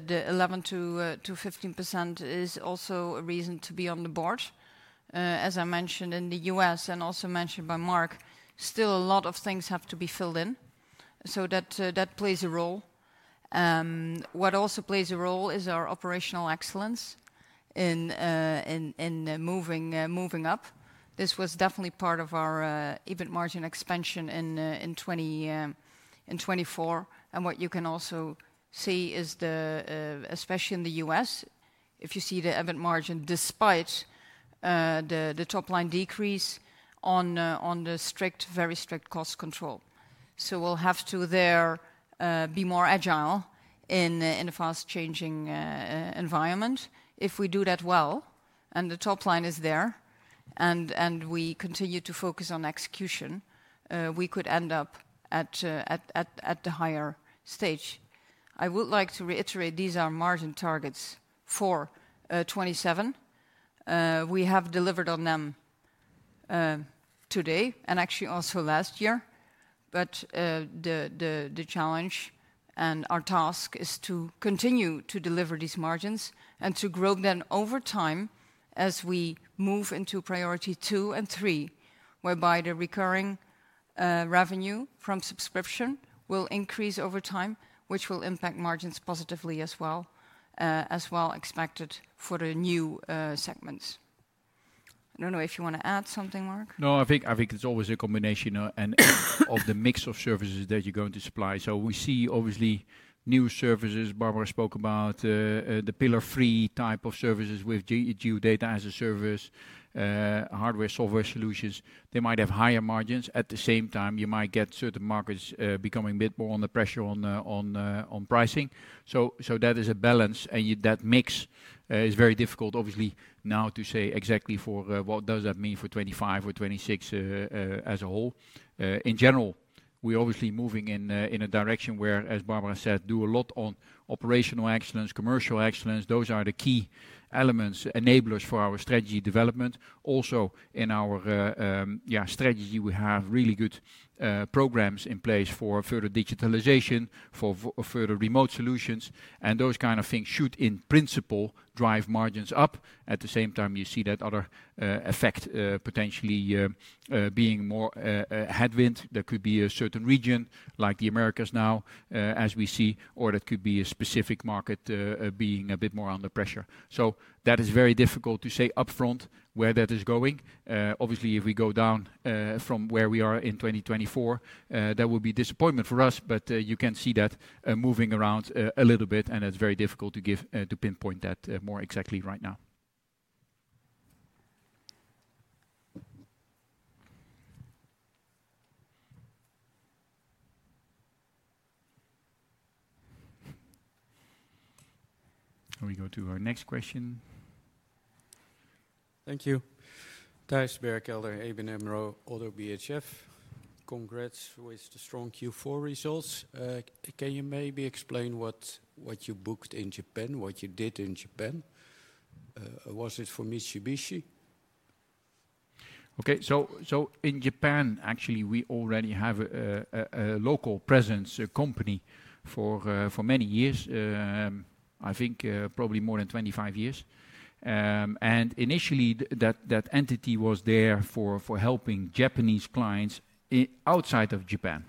The 11%-15% is also a reason to be on the board. As I mentioned in the U.S. and also mentioned by Mark, still a lot of things have to be filled in. That plays a role. What also plays a role is our operational excellence in moving up. This was definitely part of our EBIT margin expansion in 2024. What you can also see is, especially in the U.S., if you see the EBIT margin despite the top line decrease on the strict, very strict cost control. We will have to there be more agile in a fast-changing environment. If we do that well and the top line is there and we continue to focus on execution, we could end up at the higher stage. I would like to reiterate these are margin targets for 2027. We have delivered on them today and actually also last year. The challenge and our task is to continue to deliver these margins and to grow them over time as we move into priority two and three, whereby the recurring revenue from subscription will increase over time, which will impact margins positively as well, as well expected for the new segments. I don't know if you want to add something, Mark. No, I think it's always a combination of the mix of services that you're going to supply. We see obviously new services, Barbara spoke about, the pillar-free type of services with Geo-data as a service, hardware-software solutions. They might have higher margins. At the same time, you might get certain markets becoming a bit more under pressure on pricing. That is a balance. That mix is very difficult, obviously, now to say exactly for what does that mean for 2025 or 2026 as a whole. In general, we're obviously moving in a direction where, as Barbara said, do a lot on operational excellence, commercial excellence. Those are the key elements, enablers for our strategy development. Also, in our strategy, we have really good programs in place for further digitalization, for further remote solutions. Those kind of things should, in principle, drive margins up. At the same time, you see that other effect potentially being more headwind. There could be a certain region like the Americas now, as we see, or that could be a specific market being a bit more under pressure. That is very difficult to say upfront where that is going. Obviously, if we go down from where we are in 2024, that would be disappointment for us. You can see that moving around a little bit. It is very difficult to pinpoint that more exactly right now. We go to our next question. Thank you. Thijs Berkelder, ABN AMRO, ODDO BHF. Congrats with the strong Q4 results. Can you maybe explain what you booked in Japan, what you did in Japan? Was it for Mitsubishi? Okay. In Japan, actually, we already have a local presence, a company for many years, I think probably more than 25 years. Initially, that entity was there for helping Japanese clients outside of Japan.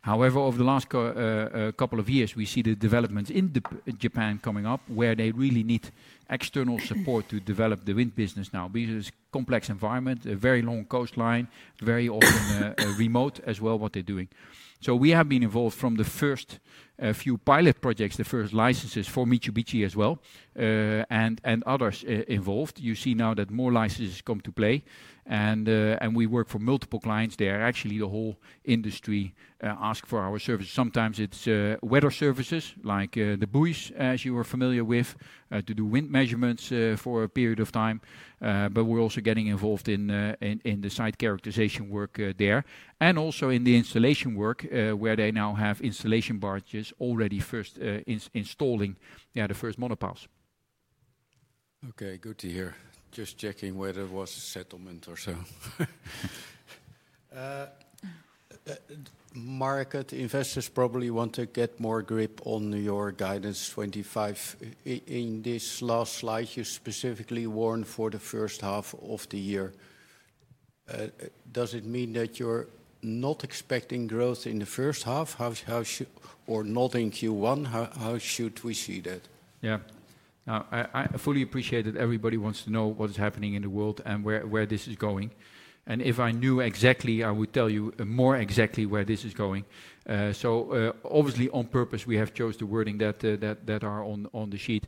However, over the last couple of years, we see the developments in Japan coming up where they really need external support to develop the wind business now. This is a complex environment, a very long coastline, very often remote as well what they're doing. We have been involved from the first few pilot projects, the first licenses for Mitsubishi as well, and others involved. You see now that more licenses come to play. We work for multiple clients there. Actually, the whole industry asks for our services. Sometimes it's weather services like the buoys, as you are familiar with, to do wind measurements for a period of time. We're also getting involved in the site characterization work there and also in the installation work where they now have installation barges already first installing the first monopiles. Okay. Good to hear. Just checking whether it was a settlement or so. Mark, the investors probably want to get more grip on your guidance 2025. In this last slide, you specifically warned for the first half of the year. Does it mean that you're not expecting growth in the first half or not in Q1? How should we see that? Yeah. I fully appreciate that everybody wants to know what is happening in the world and where this is going. If I knew exactly, I would tell you more exactly where this is going. Obviously, on purpose, we have chosen the wording that are on the sheet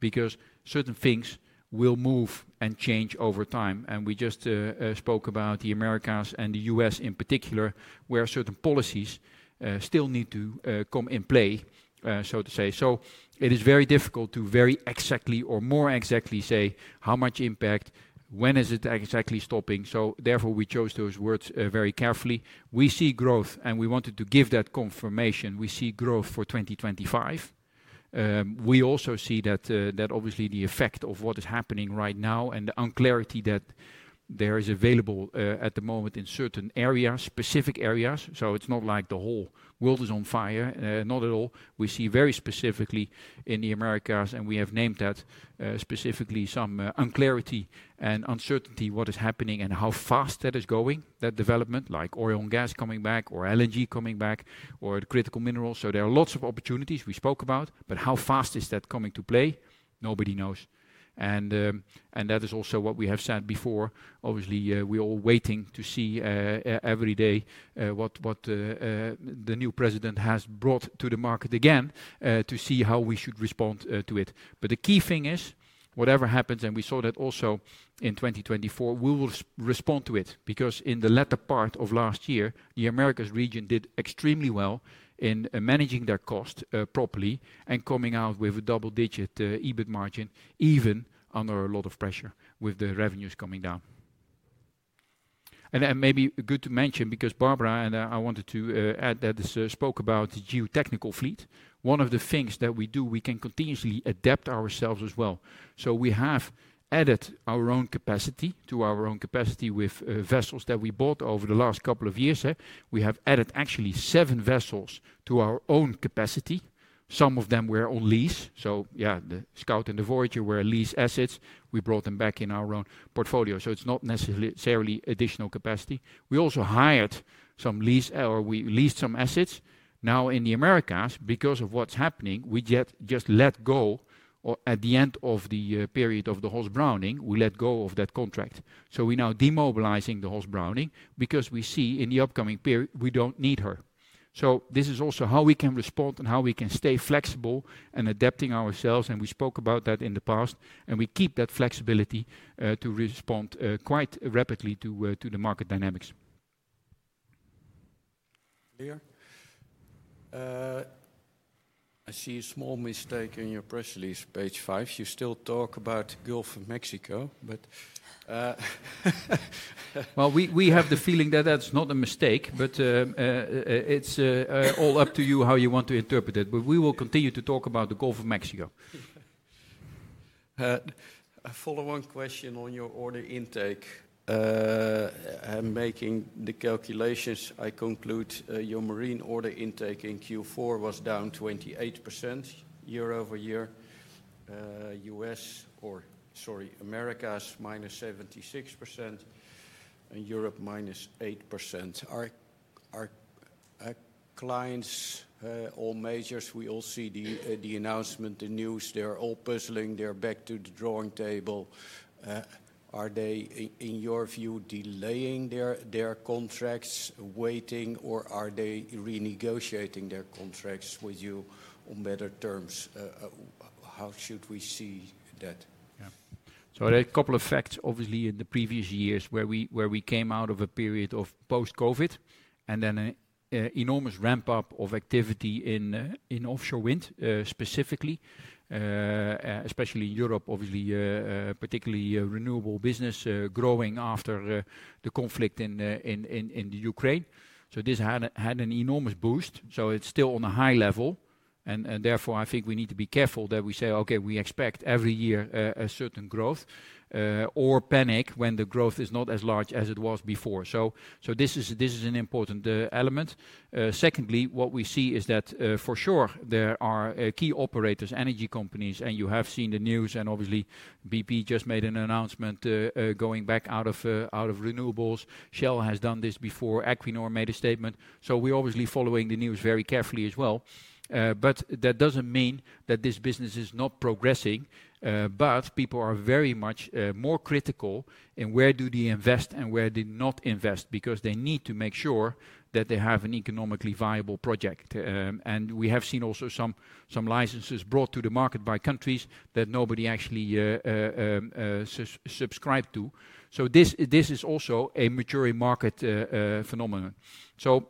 because certain things will move and change over time. We just spoke about the Americas and the U.S. in particular, where certain policies still need to come in play, so to say. It is very difficult to very exactly or more exactly say how much impact, when is it exactly stopping. Therefore, we chose those words very carefully. We see growth, and we wanted to give that confirmation. We see growth for 2025. We also see that obviously the effect of what is happening right now and the unclarity that there is available at the moment in certain areas, specific areas. It is not like the whole world is on fire, not at all. We see very specifically in the Americas, and we have named that specifically, some unclarity and uncertainty what is happening and how fast that is going, that development, like oil and gas coming back or LNG coming back or critical minerals. There are lots of opportunities we spoke about. How fast is that coming to play? Nobody knows. That is also what we have said before. Obviously, we are all waiting to see every day what the new president has brought to the market again to see how we should respond to it. The key thing is whatever happens, and we saw that also in 2024, we will respond to it because in the latter part of last year, the Americas region did extremely well in managing their cost properly and coming out with a double-digit EBIT margin, even under a lot of pressure with the revenues coming down. Maybe good to mention because Barbara, and I wanted to add that this spoke about the geotechnical fleet. One of the things that we do, we can continuously adapt ourselves as well. We have added our own capacity to our own capacity with vessels that we bought over the last couple of years. We have added actually seven vessels to our own capacity. Some of them were on lease. Yeah, the Scout and the Voyager were lease assets. We brought them back in our own portfolio. It is not necessarily additional capacity. We also hired some lease or we leased some assets. Now in the Americas, because of what is happening, we just let go at the end of the period of the HOS Browning. We let go of that contract. We are now demobilizing the HOS Browning because we see in the upcoming period, we do not need her. This is also how we can respond and how we can stay flexible and adapting ourselves. We spoke about that in the past. We keep that flexibility to respond quite rapidly to the market dynamics. Clear? I see a small mistake in your press release, page five. You still talk about Gulf of Mexico, but we have the feeling that that's not a mistake, but it's all up to you how you want to interpret it. We will continue to talk about the Gulf of Mexico. Follow-on question on your order intake. I'm making the calculations. I conclude your marine order intake in Q4 was down 28% year-over-year. U.S., or sorry, Americas, minus 76% and Europe -8%. Our clients or majors, we all see the announcement, the news. They're all puzzling. They're back to the drawing table. Are they, in your view, delaying their contracts, waiting, or are they renegotiating their contracts with you on better terms? How should we see that? Yeah. There are a couple of facts, obviously, in the previous years where we came out of a period of post-COVID and then an enormous ramp-up of activity in offshore wind specifically, especially in Europe, obviously, particularly renewable business growing after the conflict in Ukraine. This had an enormous boost. It is still on a high level. Therefore, I think we need to be careful that we say, "Okay, we expect every year a certain growth or panic when the growth is not as large as it was before." This is an important element. Secondly, what we see is that for sure there are key operators, energy companies, and you have seen the news. Obviously, BP just made an announcement going back out of renewables. Shell has done this before. Equinor made a statement. We are obviously following the news very carefully as well. That does not mean that this business is not progressing. People are very much more critical in where do they invest and where they not invest because they need to make sure that they have an economically viable project. We have seen also some licenses brought to the market by countries that nobody actually subscribed to. This is also a maturing market phenomenon.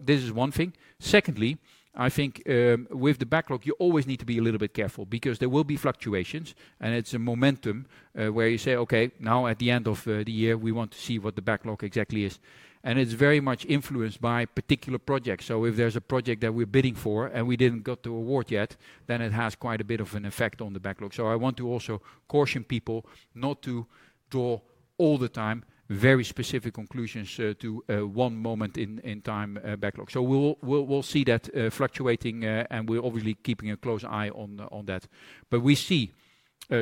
This is one thing. Secondly, I think with the backlog, you always need to be a little bit careful because there will be fluctuations. It is a momentum where you say, "Okay, now at the end of the year, we want to see what the backlog exactly is." It is very much influenced by particular projects. If there's a project that we're bidding for and we didn't get the award yet, then it has quite a bit of an effect on the backlog. I want to also caution people not to draw all the time very specific conclusions to one moment in time backlog. We'll see that fluctuating, and we're obviously keeping a close eye on that. We see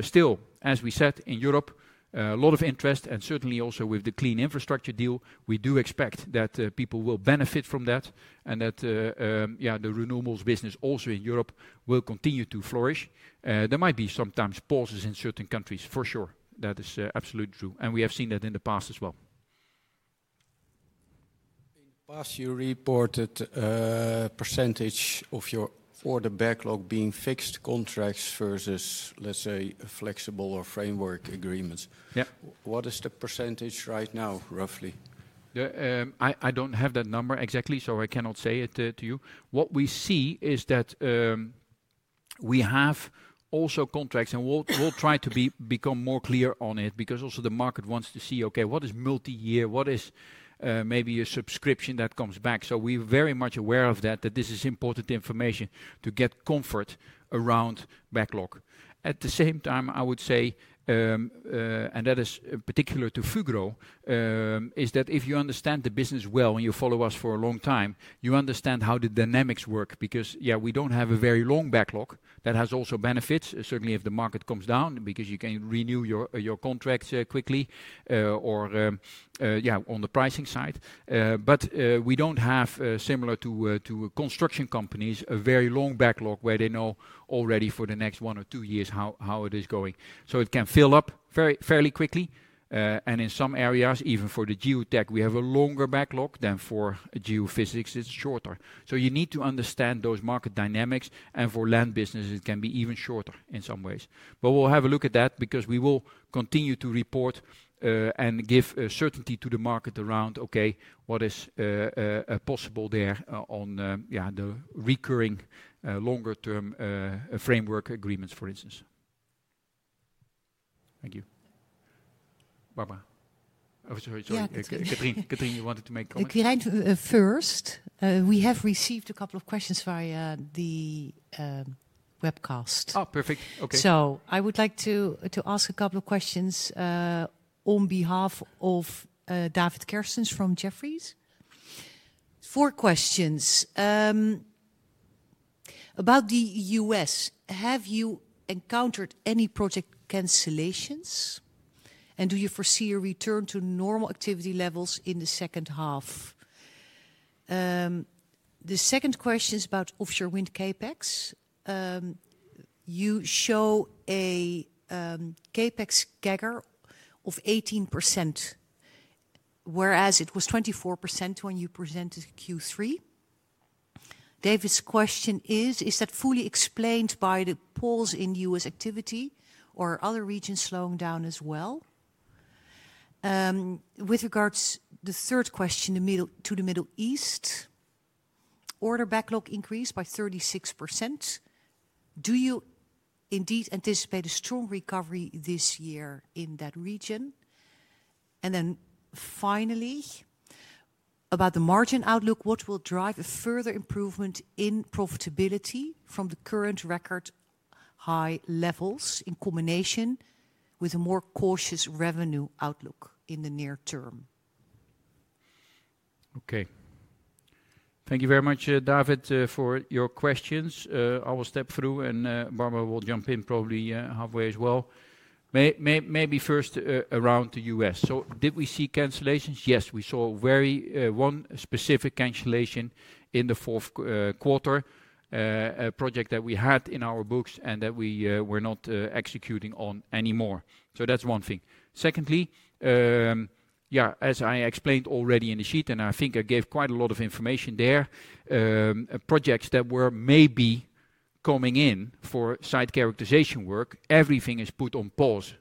still, as we said, in Europe, a lot of interest. Certainly also with the European Green Deal, we do expect that people will benefit from that. The renewables business also in Europe will continue to flourish. There might be sometimes pauses in certain countries, for sure. That is absolutely true. We have seen that in the past as well. In the past, you reported a percentage of your order backlog being fixed contracts versus, let's say, flexible or framework agreements. What is the percentage right now, roughly? I don't have that number exactly, so I cannot say it to you. What we see is that we have also contracts, and we'll try to become more clear on it because also the market wants to see, okay, what is multi-year? What is maybe a subscription that comes back? We are very much aware of that, that this is important information to get comfort around backlog. At the same time, I would say, and that is particular to Fugro, is that if you understand the business well and you follow us for a long time, you understand how the dynamics work because, yeah, we don't have a very long backlog. That has also benefits, certainly if the market comes down, because you can renew your contracts quickly or, yeah, on the pricing side. We do not have, similar to construction companies, a very long backlog where they know already for the next one or two years how it is going. It can fill up fairly quickly. In some areas, even for the geotech, we have a longer backlog than for geophysics. It is shorter. You need to understand those market dynamics. For land businesses, it can be even shorter in some ways. We will have a look at that because we will continue to report and give certainty to the market around, okay, what is possible there on the recurring longer-term framework agreements, for instance. Thank you. Barbara. Yeah. Catrien, you wanted to make a comment. If you're in first, we have received a couple of questions via the webcast. Oh, perfect. Okay. I would like to ask a couple of questions on behalf of David Kerstens from Jefferies. Four questions. About the U.S., have you encountered any project cancellations? Do you foresee a return to normal activity levels in the second half? The second question is about offshore wind CapEx. You show a CapEx CAGR of 18%, whereas it was 24% when you presented Q3. David's question is, is that fully explained by the pause in U.S. activity or are other regions slowing down as well? With regards to the third question, to the Middle East, order backlog increased by 36%. Do you indeed anticipate a strong recovery this year in that region? Finally, about the margin outlook, what will drive a further improvement in profitability from the current record high levels in combination with a more cautious revenue outlook in the near term? Thank you very much, David, for your questions. I will step through, and Barbara will jump in probably halfway as well. Maybe first around the U.S. Did we see cancellations? Yes, we saw one specific cancellation in the fourth quarter, a project that we had in our books and that we were not executing on anymore. That is one thing. Secondly, as I explained already in the sheet, and I think I gave quite a lot of information there, projects that were maybe coming in for site characterization work, everything is put on pause.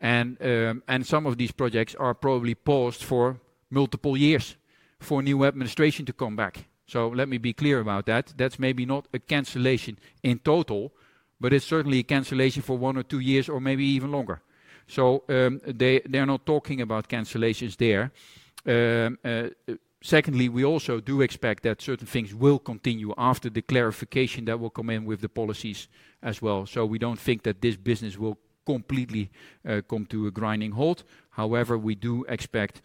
Some of these projects are probably paused for multiple years for new administration to come back. Let me be clear about that. That's maybe not a cancellation in total, but it's certainly a cancellation for one or two years or maybe even longer. They're not talking about cancellations there. Secondly, we also do expect that certain things will continue after the clarification that will come in with the policies as well. We don't think that this business will completely come to a grinding halt. However, we do expect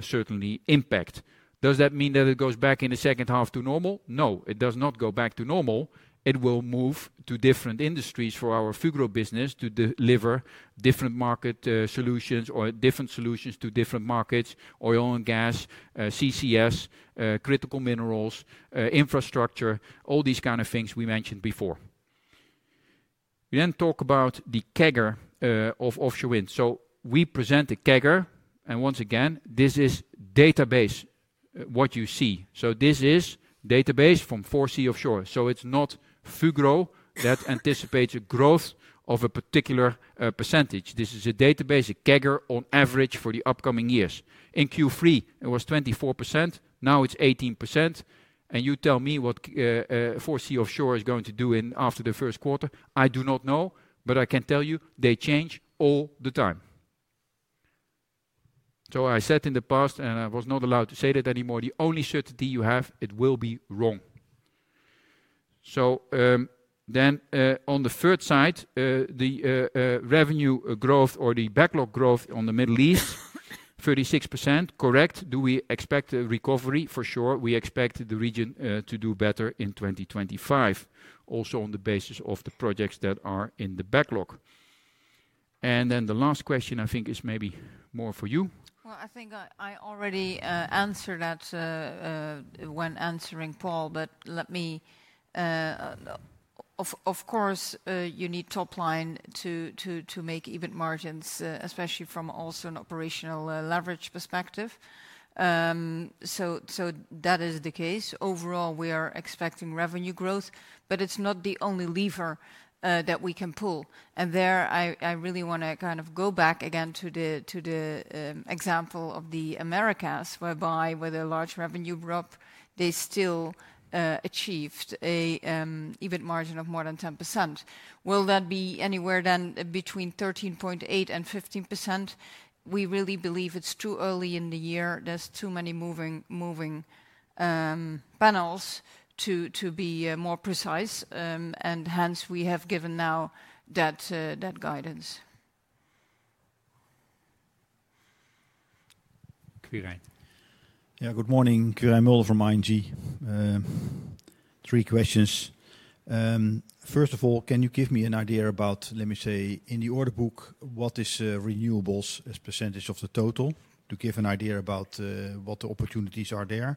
certainly impact. Does that mean that it goes back in the second half to normal? No, it does not go back to normal. It will move to different industries for our Fugro business to deliver different market solutions or different solutions to different markets, oil and gas, CCS, critical minerals, infrastructure, all these kinds of things we mentioned before. We then talk about the CAGR of offshore wind. We present a CAGR. Once again, this is data-based, what you see. This is data-based from 4C Offshore. It is not Fugro that anticipates a growth of a particular percentage. This is a data-based, a CAGR on average for the upcoming years. In Q3, it was 24%. Now it is 18%. You tell me what 4C Offshore is going to do after the first quarter. I do not know, but I can tell you they change all the time. I said in the past, and I was not allowed to say that anymore, the only certainty you have, it will be wrong. On the third side, the revenue growth or the backlog growth on the Middle East, 36%, correct. Do we expect a recovery? For sure, we expect the region to do better in 2025, also on the basis of the projects that are in the backlog. The last question, I think, is maybe more for you. I think I already answered that when answering Paul, but let me, of course, you need top line to make even margins, especially from also an operational leverage perspective. That is the case. Overall, we are expecting revenue growth, but it's not the only lever that we can pull. There, I really want to kind of go back again to the example of the Americas, whereby with a large revenue growth, they still achieved an even margin of more than 10%. Will that be anywhere then between 13.8%-15%? We really believe it's too early in the year. There are too many moving panels to be more precise. Hence, we have given now that guidance. Yeah, good morning. Quirijn from ING. Three questions. First of all, can you give me an idea about, let me say, in the order book, what is renewables as percentage of the total to give an idea about what the opportunities are there?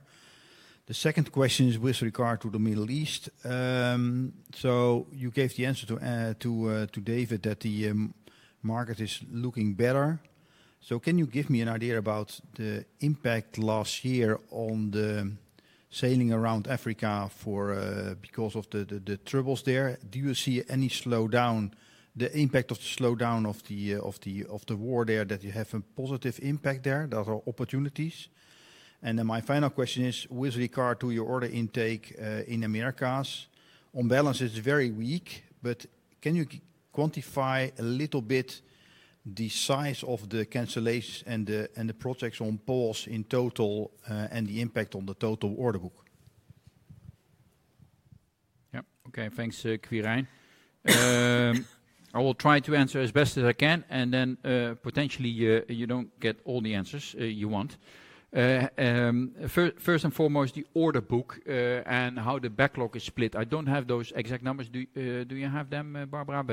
The second question is with regard to the Middle East. You gave the answer to David that the market is looking better. Can you give me an idea about the impact last year on the sailing around Africa because of the troubles there? Do you see any slowdown, the impact of the slowdown of the war there that you have a positive impact there? Those are opportunities. My final question is with regard to your order intake in Americas. On balance, it's very weak, but can you quantify a little bit the size of the cancellations and the projects on pause in total and the impact on the total order book? Yeah. Okay. Thanks, Quirijn. I will try to answer as best as I can. Potentially you do not get all the answers you want. First and foremost, the order book and how the backlog is split. I do not have those exact numbers. Do you have them, Barbara?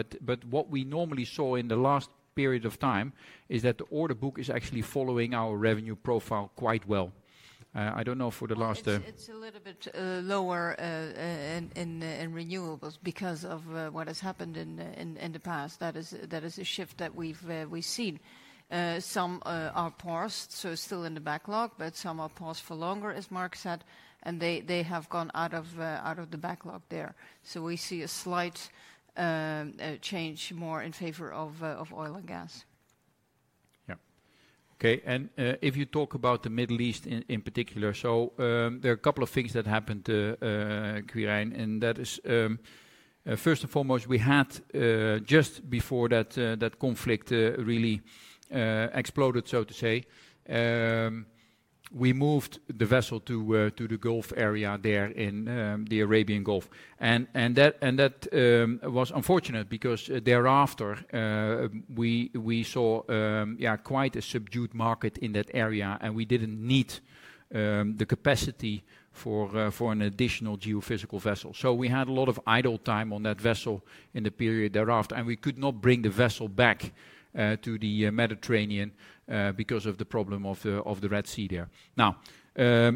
What we normally saw in the last period of time is that the order book is actually following our revenue profile quite well. I do not know for the last. It is a little bit lower in renewables because of what has happened in the past. That is a shift that we have seen. Some are paused, so still in the backlog, but some are paused for longer, as Mark said, and they have gone out of the backlog there. We see a slight change more in favor of oil and gas. Yeah. Okay. If you talk about the Middle East in particular, there are a couple of things that happened, Quirijn, and that is first and foremost, we had just before that conflict really exploded, so to say, we moved the vessel to the Gulf area there in the Arabian Gulf. That was unfortunate because thereafter we saw quite a subdued market in that area, and we did not need the capacity for an additional geophysical vessel. We had a lot of idle time on that vessel in the period thereafter, and we could not bring the vessel back to the Mediterranean because of the problem of the Red Sea there.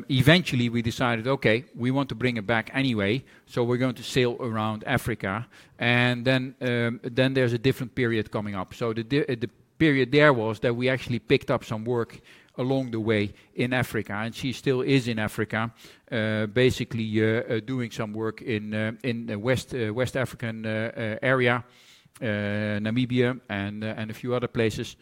Eventually, we decided, okay, we want to bring it back anyway, so we are going to sail around Africa. There is a different period coming up. The period there was that we actually picked up some work along the way in Africa, and she still is in Africa, basically doing some work in the West African area, Namibia, and a few other places.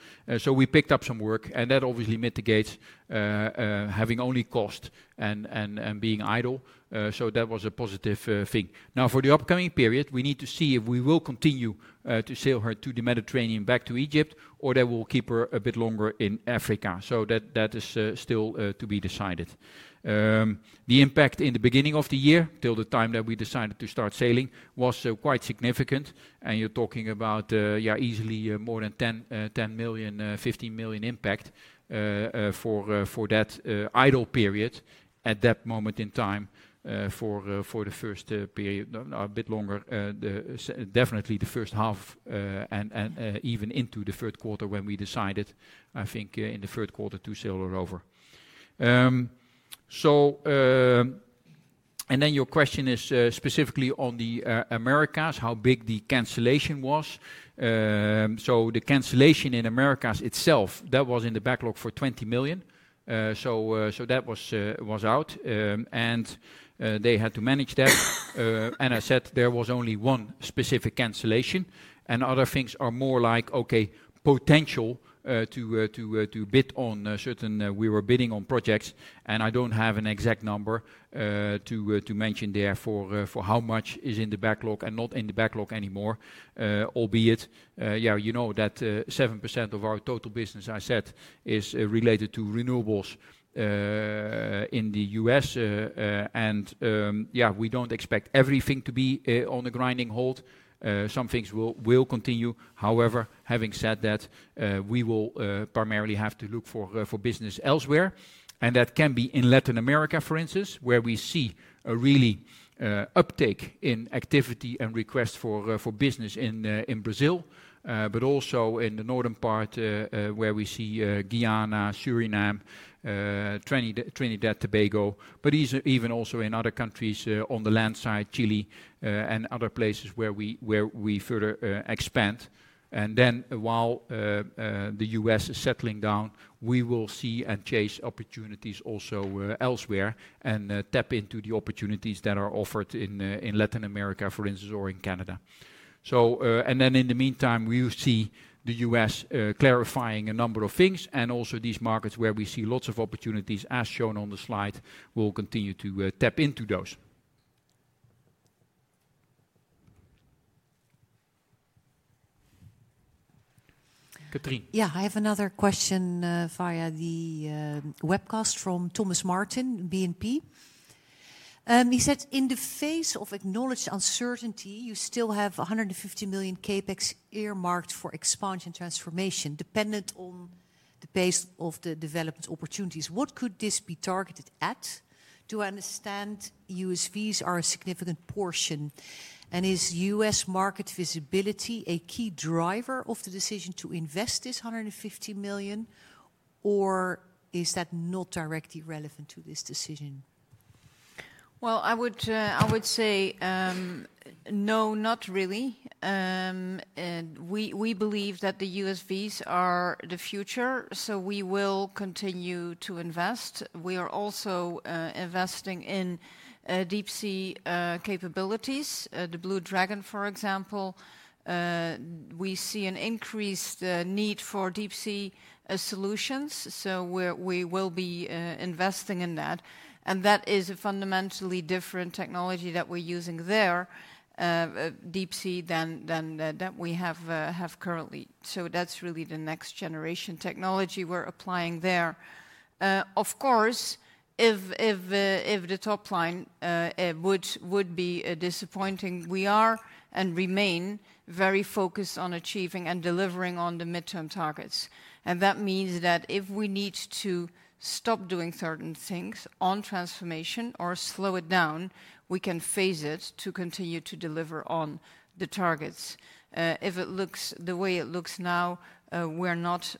We picked up some work, and that obviously mitigates having only cost and being idle. That was a positive thing. Now, for the upcoming period, we need to see if we will continue to sail her to the Mediterranean back to Egypt, or that we'll keep her a bit longer in Africa. That is still to be decided. The impact in the beginning of the year till the time that we decided to start sailing was quite significant. You're talking about, yeah, easily more than 10 million, 15 million impact for that idle period at that moment in time for the first period, a bit longer, definitely the first half and even into the third quarter when we decided, I think, in the third quarter to sail her over. Your question is specifically on the Americas, how big the cancellation was. The cancellation in Americas itself, that was in the backlog for 20 million. That was out, and they had to manage that. I said there was only one specific cancellation. Other things are more like, okay, potential to bid on certain we were bidding on projects. I do not have an exact number to mention there for how much is in the backlog and not in the backlog anymore, albeit, yeah, you know that 7% of our total business, I said, is related to renewables in the U.S. Yeah, we do not expect everything to be on a grinding halt. Some things will continue. However, having said that, we will primarily have to look for business elsewhere. That can be in Latin America, for instance, where we see a real uptake in activity and request for business in Brazil, but also in the northern part where we see Guyana, Suriname, Trinidad, Tobago, but even also in other countries on the land side, Chile, and other places where we further expand. While the U.S. is settling down, we will see and chase opportunities also elsewhere and tap into the opportunities that are offered in Latin America, for instance, or in Canada. In the meantime, we see the U.S. clarifying a number of things. Also, these markets where we see lots of opportunities, as shown on the slide, we will continue to tap into those. I have another question via the webcast from Thomas Martin, BNP. He said, in the face of acknowledged uncertainty, you still have 150 million CapEx earmarked for expansion transformation dependent on the pace of the development opportunities. What could this be targeted at? To understand, USVs are a significant portion. Is U.S. market visibility a key driver of the decision to invest this 150 million, or is that not directly relevant to this decision? I would say no, not really. We believe that the USVs are the future, so we will continue to invest. We are also investing in deep-sea capabilities, the Blue Dragon, for example. We see an increased need for deep-sea solutions, so we will be investing in that. That is a fundamentally different technology that we're using there, deep-sea than that we have currently. That's really the next generation technology we're applying there. Of course, if the top line would be disappointing, we are and remain very focused on achieving and delivering on the midterm targets. That means that if we need to stop doing certain things on transformation or slow it down, we can phase it to continue to deliver on the targets. If it looks the way it looks now, we're not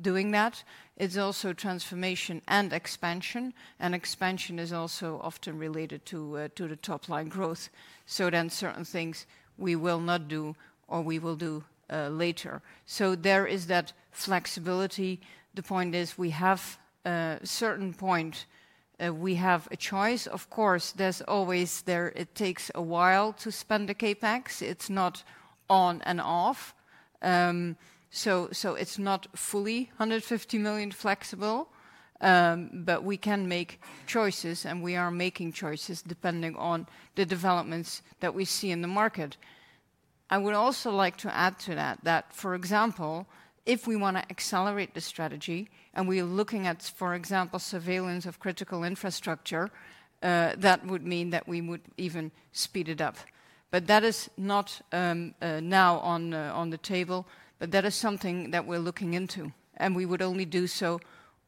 doing that. It's also transformation and expansion. Expansion is also often related to the top line growth. There are certain things we will not do or we will do later. There is that flexibility. The point is we have a certain point we have a choice. Of course, it always takes a while to spend the CapEx. It's not on and off. It's not fully 150 million flexible, but we can make choices, and we are making choices depending on the developments that we see in the market. I would also like to add to that that, for example, if we want to accelerate the strategy and we are looking at, for example, surveillance of critical infrastructure, that would mean that we would even speed it up. That is not now on the table, but that is something that we're looking into. We would only do so,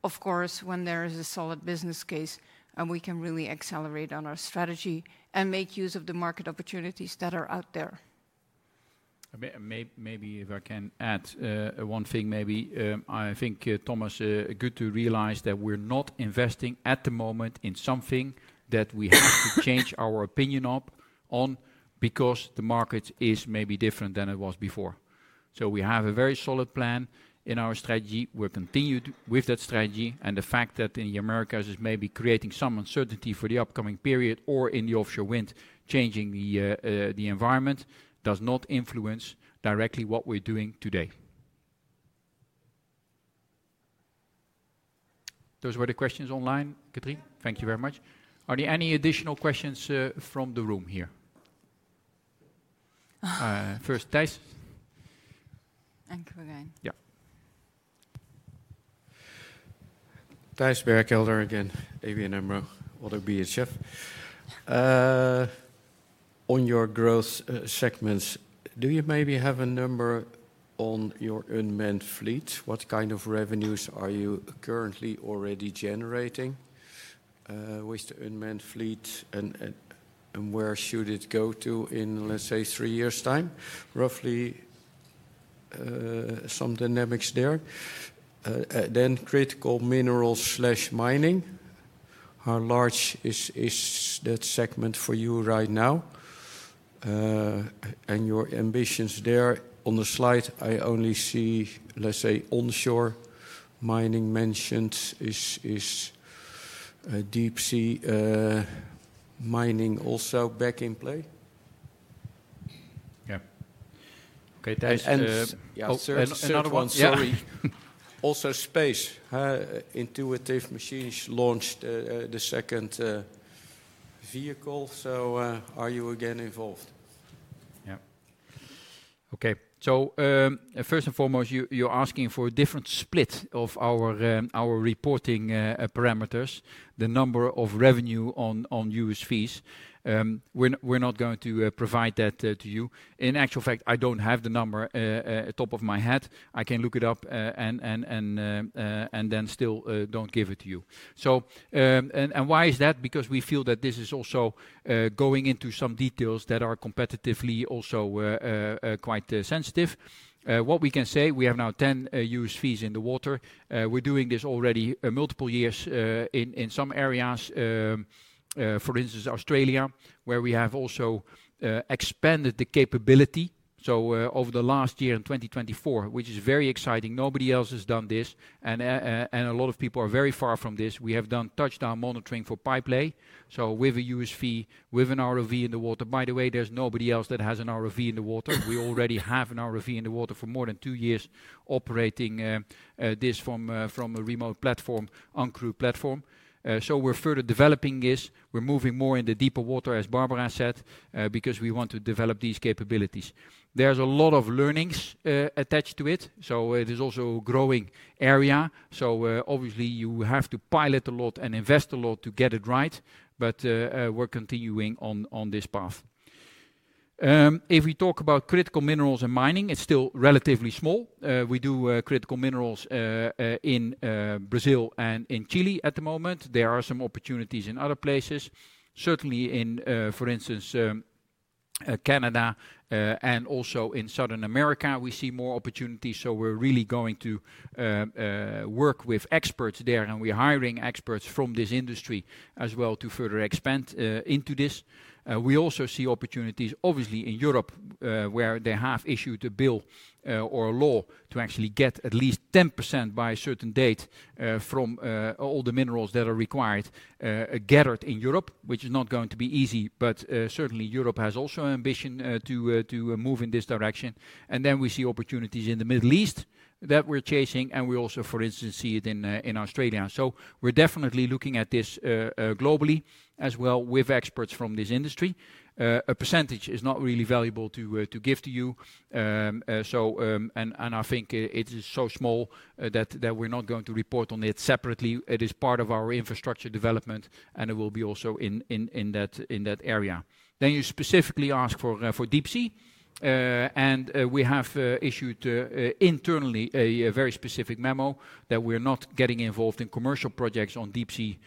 of course, when there is a solid business case and we can really accelerate on our strategy and make use of the market opportunities that are out there. Maybe if I can add one thing, maybe I think, Thomas, it is good to realize that we're not investing at the moment in something that we have to change our opinion on because the market is maybe different than it was before. We have a very solid plan in our strategy. We're continued with that strategy. The fact that in the Americas is maybe creating some uncertainty for the upcoming period or in the offshore wind changing the environment does not influence directly what we're doing today. Those were the questions online. Thank you very much. Are there any additional questions from the room here? First, Thijs? Thank you, Catrien. Yeah. Thijs Berkelder again, ABN AMRO, ODDO BHF. On your growth segments, do you maybe have a number on your unmanned fleet? What kind of revenues are you currently already generating with the unmanned fleet and where should it go to in, let's say, three years' time? Roughly some dynamics there. Then critical minerals/mining. How large is that segment for you right now? And your ambitions there on the slide, I only see, let's say, onshore mining mentioned. Is deep-sea mining also back in play? Yeah. Okay. Thijs. Another one, sorry. Also space. Intuitive Machines launched the second vehicle. Are you again involved? Yeah. Okay. First and foremost, you're asking for a different split of our reporting parameters, the number of revenue on USVs. We're not going to provide that to you. In actual fact, I don't have the number top of my head. I can look it up and then still don't give it to you. Why is that? Because we feel that this is also going into some details that are competitively also quite sensitive. What we can say, we have now 10 USVs in the water. We're doing this already multiple years in some areas, for instance, Australia, where we have also expanded the capability. Over the last year in 2024, which is very exciting, nobody else has done this. A lot of people are very far from this. We have done touchdown monitoring for pipelay with a USV, with an ROV in the water. By the way, there's nobody else that has an ROV in the water. We already have an ROV in the water for more than two years operating this from a remote platform, uncrewed platform. We're further developing this. We're moving more in the deeper water, as Barbara said, because we want to develop these capabilities. There's a lot of learnings attached to it. It is also a growing area. Obviously, you have to pilot a lot and invest a lot to get it right. We're continuing on this path. If we talk about critical minerals and mining, it's still relatively small. We do critical minerals in Brazil and in Chile at the moment. There are some opportunities in other places, certainly in, for instance, Canada and also in Southern America. We see more opportunities. We're really going to work with experts there, and we're hiring experts from this industry as well to further expand into this. We also see opportunities, obviously, in Europe where they have issued a bill or a law to actually get at least 10% by a certain date from all the minerals that are required gathered in Europe, which is not going to be easy. Certainly, Europe has also an ambition to move in this direction. We see opportunities in the Middle East that we're chasing, and we also, for instance, see it in Australia. We are definitely looking at this globally as well with experts from this industry. A percentage is not really valuable to give to you. I think it is so small that we're not going to report on it separately. It is part of our infrastructure development, and it will be also in that area. You specifically ask for deep-sea, and we have issued internally a very specific memo that we're not getting involved in commercial projects on deep-sea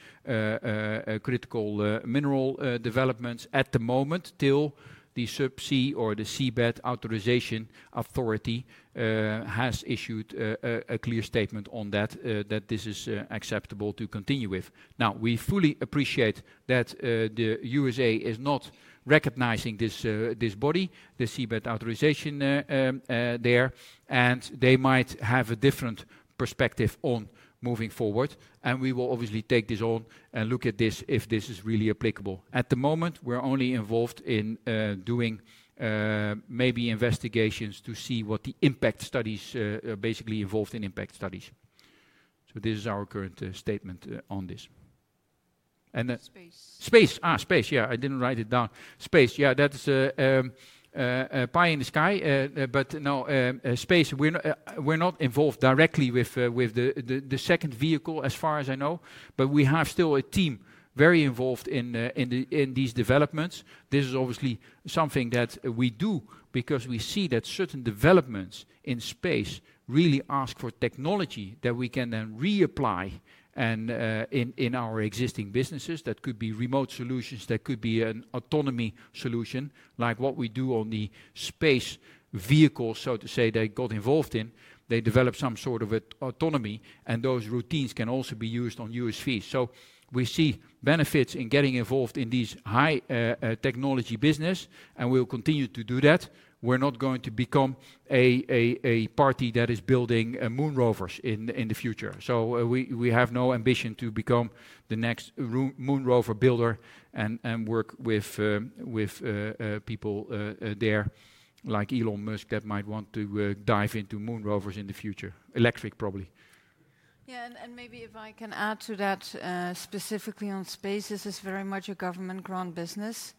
critical mineral developments at the moment till the subsea or the seabed authorization authority has issued a clear statement on that, that this is acceptable to continue with. We fully appreciate that the U.S.A. is not recognizing this body, the seabed authorization there, and they might have a different perspective on moving forward. We will obviously take this on and look at this if this is really applicable. At the moment, we're only involved in doing maybe investigations to see what the impact studies basically involved in impact studies. This is our current statement on this. Space. Space. Space. Yeah, I didn't write it down. Space. Yeah, that's a pie in the sky. Now, space, we're not involved directly with the second vehicle as far as I know, but we have still a team very involved in these developments. This is obviously something that we do because we see that certain developments in space really ask for technology that we can then reapply in our existing businesses. That could be remote solutions. That could be an autonomy solution like what we do on the space vehicles, so to say, they got involved in. They develop some sort of autonomy, and those routines can also be used on USVs. We see benefits in getting involved in these high-technology businesses, and we'll continue to do that. We're not going to become a party that is building moon rovers in the future. We have no ambition to become the next moon rover builder and work with people there like Elon Musk that might want to dive into moon rovers in the future, electric probably. Yeah. Maybe if I can add to that specifically on space, this is very much a government-grant business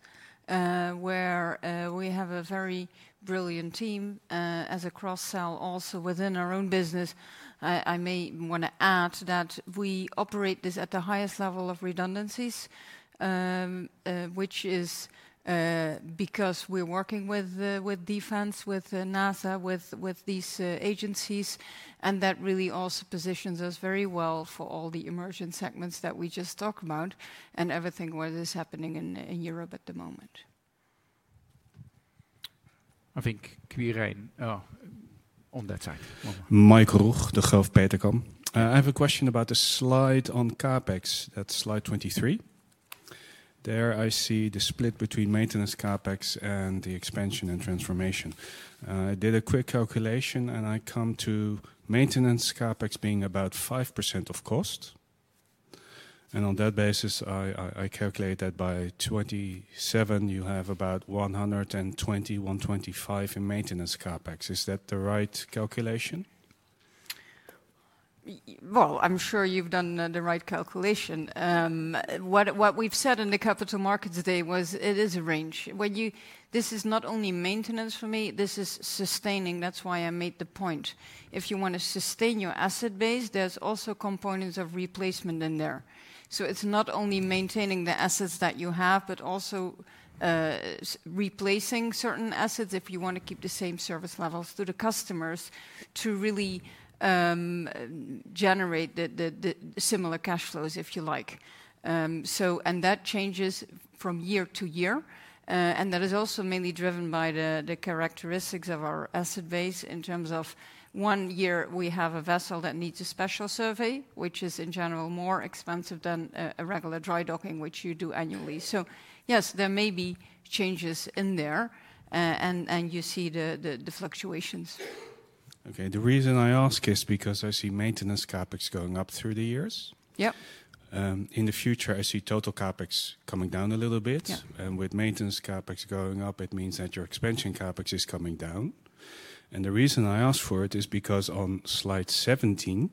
where we have a very brilliant team as a cross-sell also within our own business. I may want to add that we operate this at the highest level of redundancies, which is because we're working with Defense, with NASA, with these agencies. That really also positions us very well for all the emerging segments that we just talked about and everything what is happening in Europe at the moment. I think Catrien on that side. Michael Roeg, Degroof Petercam. I have a question about the slide on CapEx, that slide 23. There I see the split between maintenance CapEx and the expansion and transformation. I did a quick calculation, and I come to maintenance CapEx being about 5% of cost. On that basis, I calculate that by 2027, you have about 120 million-125 million in maintenance CapEx. Is that the right calculation? I'm sure you've done the right calculation. What we've said in the capital markets today was it is a range. This is not only maintenance for me. This is sustaining. That's why I made the point. If you want to sustain your asset base, there's also components of replacement in there. It is not only maintaining the assets that you have, but also replacing certain assets if you want to keep the same service levels to the customers to really generate similar cash flows, if you like. That changes from year to year. That is also mainly driven by the characteristics of our asset base in terms of one year we have a vessel that needs a special survey, which is in general more expensive than a regular dry docking, which you do annually. Yes, there may be changes in there, and you see the fluctua tions. Okay. The reason I ask is because I see maintenance CapEx going up through the years. In the future, I see total CapEx coming down a little bit. With maintenance CapEx going up, it means that your expansion CapEx is coming down. The reason I ask for it is because on slide 17,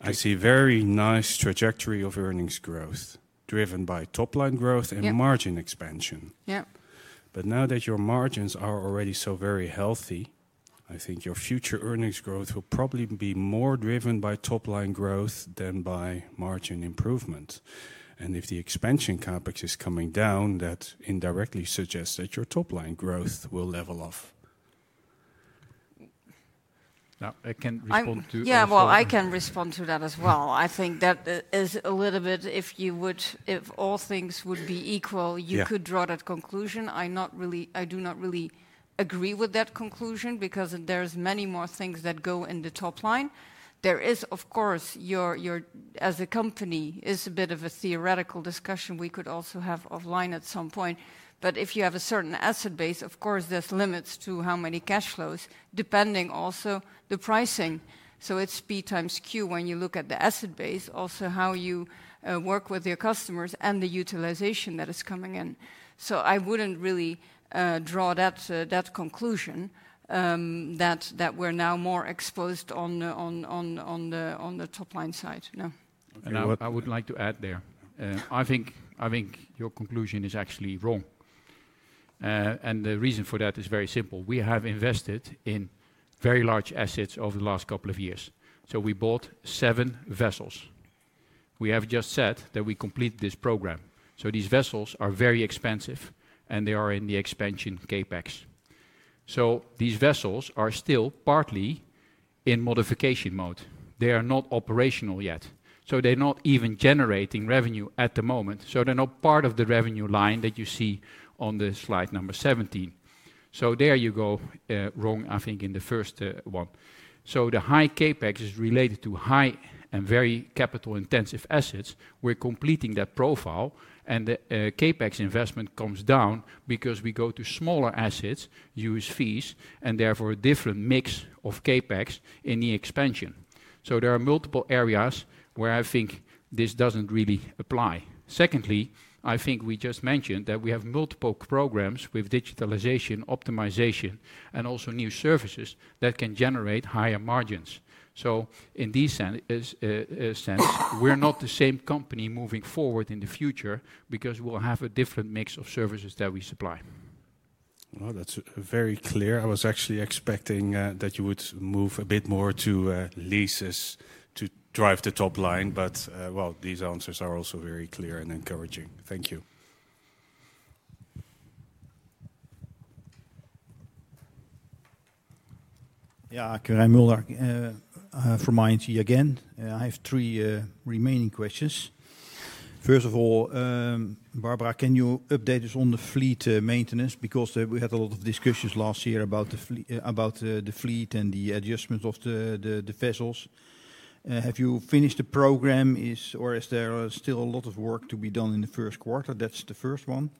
I see a very nice trajectory of earnings growth driven by top line growth and margin expansion. Now that your margins are already so very healthy, I think your future earnings growth will probably be more driven by top line growth than by margin improvement. If the expansion CapEx is coming down, that indirectly suggests that your top line growth will level off. I can respond to that. Yeah, I can respond to that as well. I think that is a little bit if you would, if all things would be equal, you could draw that conclusion. I do not really agree with that conclusion because there are many more things that go in the top line. There is, of course, as a company, it's a bit of a theoretical discussion we could also have offline at some point. If you have a certain asset base, of course, there's limits to how many cash flows depending also on the pricing. It's P times Q when you look at the asset base, also how you work with your customers and the utilization that is coming in. I wouldn't really draw that conclusion that we're now more exposed on the top line side. No. I would like to add there, I think your conclusion is actually wrong. The reason for that is very simple. We have invested in very large assets over the last couple of years. We bought seven vessels. We have just said that we complete this program. These vessels are very expensive, and they are in the expansion CapEx. These vessels are still partly in modification mode. They are not operational yet. They're not even generating revenue at the moment. They're not part of the revenue line that you see on the slide number 17. There you go wrong, I think, in the first one. The high CapEx is related to high and very capital-intensive assets. We're completing that profile, and the CapEx investment comes down because we go to smaller assets, USVs, and therefore a different mix of CapEx in the expansion. There are multiple areas where I think this does not really apply. Secondly, I think we just mentioned that we have multiple programs with digitalization, optimization, and also new services that can generate higher margins. In this sense, we're not the same company moving forward in the future because we'll have a different mix of services that we supply. That's very clear. I was actually expecting that you would move a bit more to leases to drive the top line. These answers are also very clear and encouraging. Thank you. Yeah, Quirijn Mulder from ING again. I have three remaining questions. First of all, Barbara, can you update us on the fleet maintenance? Because we had a lot of discussions last year about the fleet and the adjustment of the vessels. Have you finished the program, or is there still a lot of work to be done in the first quarter? That is the first one.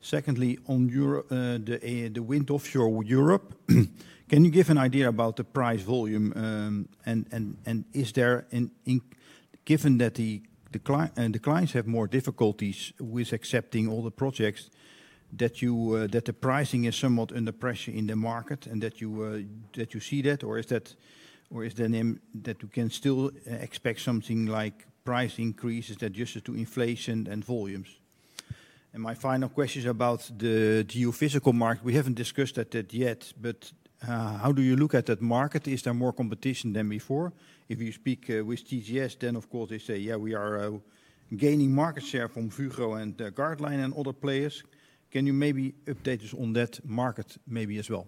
Secondly, on the wind offshore Europe, can you give an idea about the price volume? Is there, given that the clients have more difficulties with accepting all the projects, that the pricing is somewhat under pressure in the market and that you see that? Or is there a name that you can still expect something like price increases adjusted to inflation and volumes? My final question is about the geophysical market. We haven't discussed that yet, but how do you look at that market? Is there more competition than before? If you speak with TGS, then of course they say, yeah, we are gaining market share from Fugro and Gardline and other players. Can you maybe update us on that market maybe as well?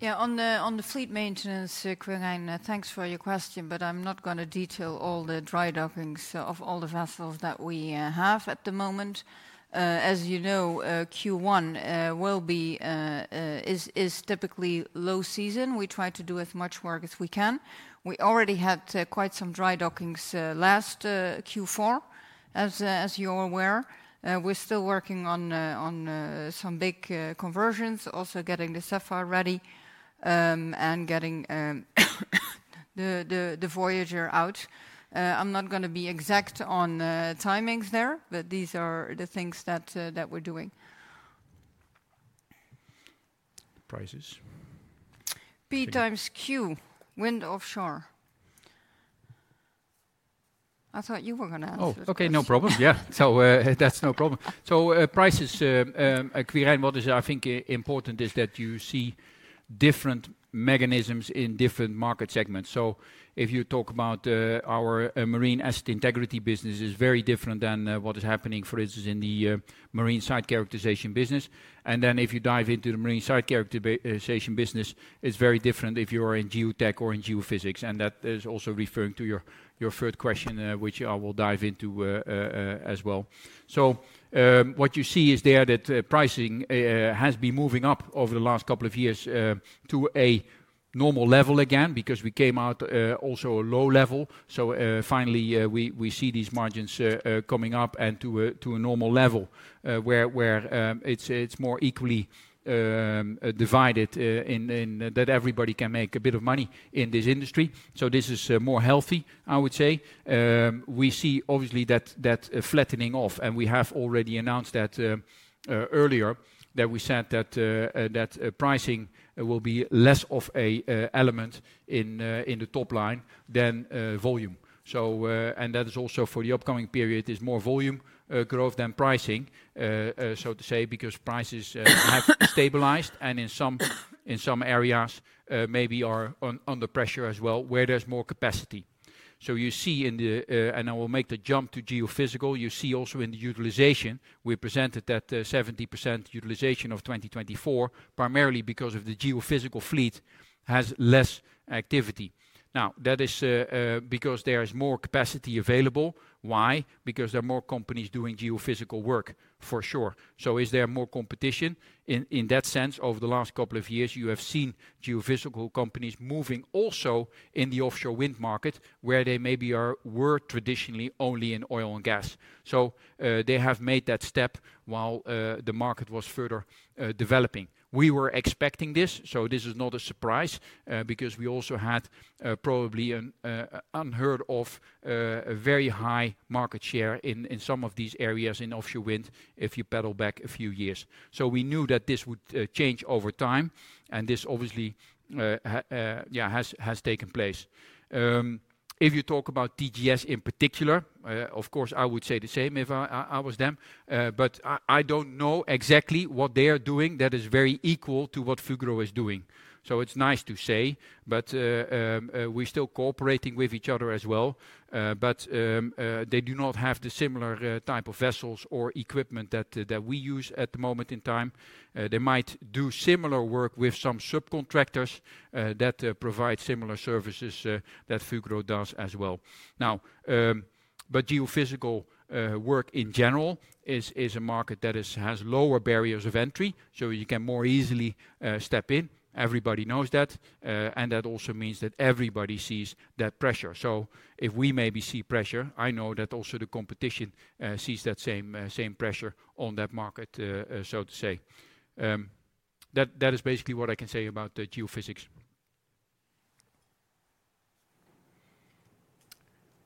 Yeah, on the fleet maintenance, Quirijn, thanks for your question, but I'm not going to detail all the dry dockings of all the vessels that we have at the moment. As you know, Q1 is typically low season. We try to do as much work as we can. We already had quite some dry dockings last Q4, as you're aware. We're still working on some big conversions, also getting the Sapphire ready and getting the Voyager out. I'm not going to be exact on timings there, but these are the things that we're doing. Prices. P times Q, wind offshore. I thought you were going to answer this. Okay, no problem. Yeah, that's no problem. Prices, Quirijn, what is, I think, important is that you see different mechanisms in different market segments. If you talk about our marine asset integrity business, it's very different than what is happening, for instance, in the marine site characterization business. If you dive into the marine site characterization business, it's very different if you are in geotech or in geophysics. That is also referring to your third question, which I will dive into as well. What you see is there that pricing has been moving up over the last couple of years to a normal level again because we came out also a low level. Finally, we see these margins coming up and to a normal level where it's more equally divided in that everybody can make a bit of money in this industry. This is more healthy, I would say. We see obviously that flattening off, and we have already announced that earlier that we said that pricing will be less of an element in the top line than volume. That is also for the upcoming period, there's more volume growth than pricing, so to say, because prices have stabilized and in some areas maybe are under pressure as well where there's more capacity. You see in the, and I will make the jump to geophysical, you see also in the utilization, we presented that 70% utilization of 2024 primarily because the geophysical fleet has less activity. That is because there is more capacity available. Why? Because there are more companies doing geophysical work for sure. Is there more competition in that sense? Over the last couple of years, you have seen geophysical companies moving also in the offshore wind market where they maybe were traditionally only in oil and gas. They have made that step while the market was further developing. We were expecting this, so this is not a surprise because we also had probably an unheard of very high market share in some of these areas in offshore wind if you pedal back a few years. We knew that this would change over time, and this obviously has taken place. If you talk about TGS in particular, of course, I would say the same if I was them. I do not know exactly what they are doing that is very equal to what Fugro is doing. It's nice to say, but we're still cooperating with each other as well. They do not have the similar type of vessels or equipment that we use at the moment in time. They might do similar work with some subcontractors that provide similar services that Fugro does as well. Now, geophysical work in general is a market that has lower barriers of entry, so you can more easily step in. Everybody knows that, and that also means that everybody sees that pressure. If we maybe see pressure, I know that also the competition sees that same pressure on that market, so to say. That is basically what I can say about the geophysics.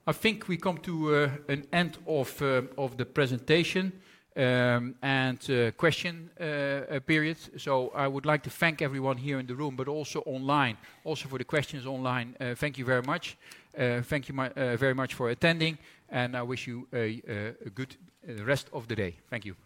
I think we come to an end of the presentation and question period. I would like to thank everyone here in the room, but also online, also for the questions online. Thank you very much. Thank you very much for attending, and I wish you a good rest of the day. Thank you.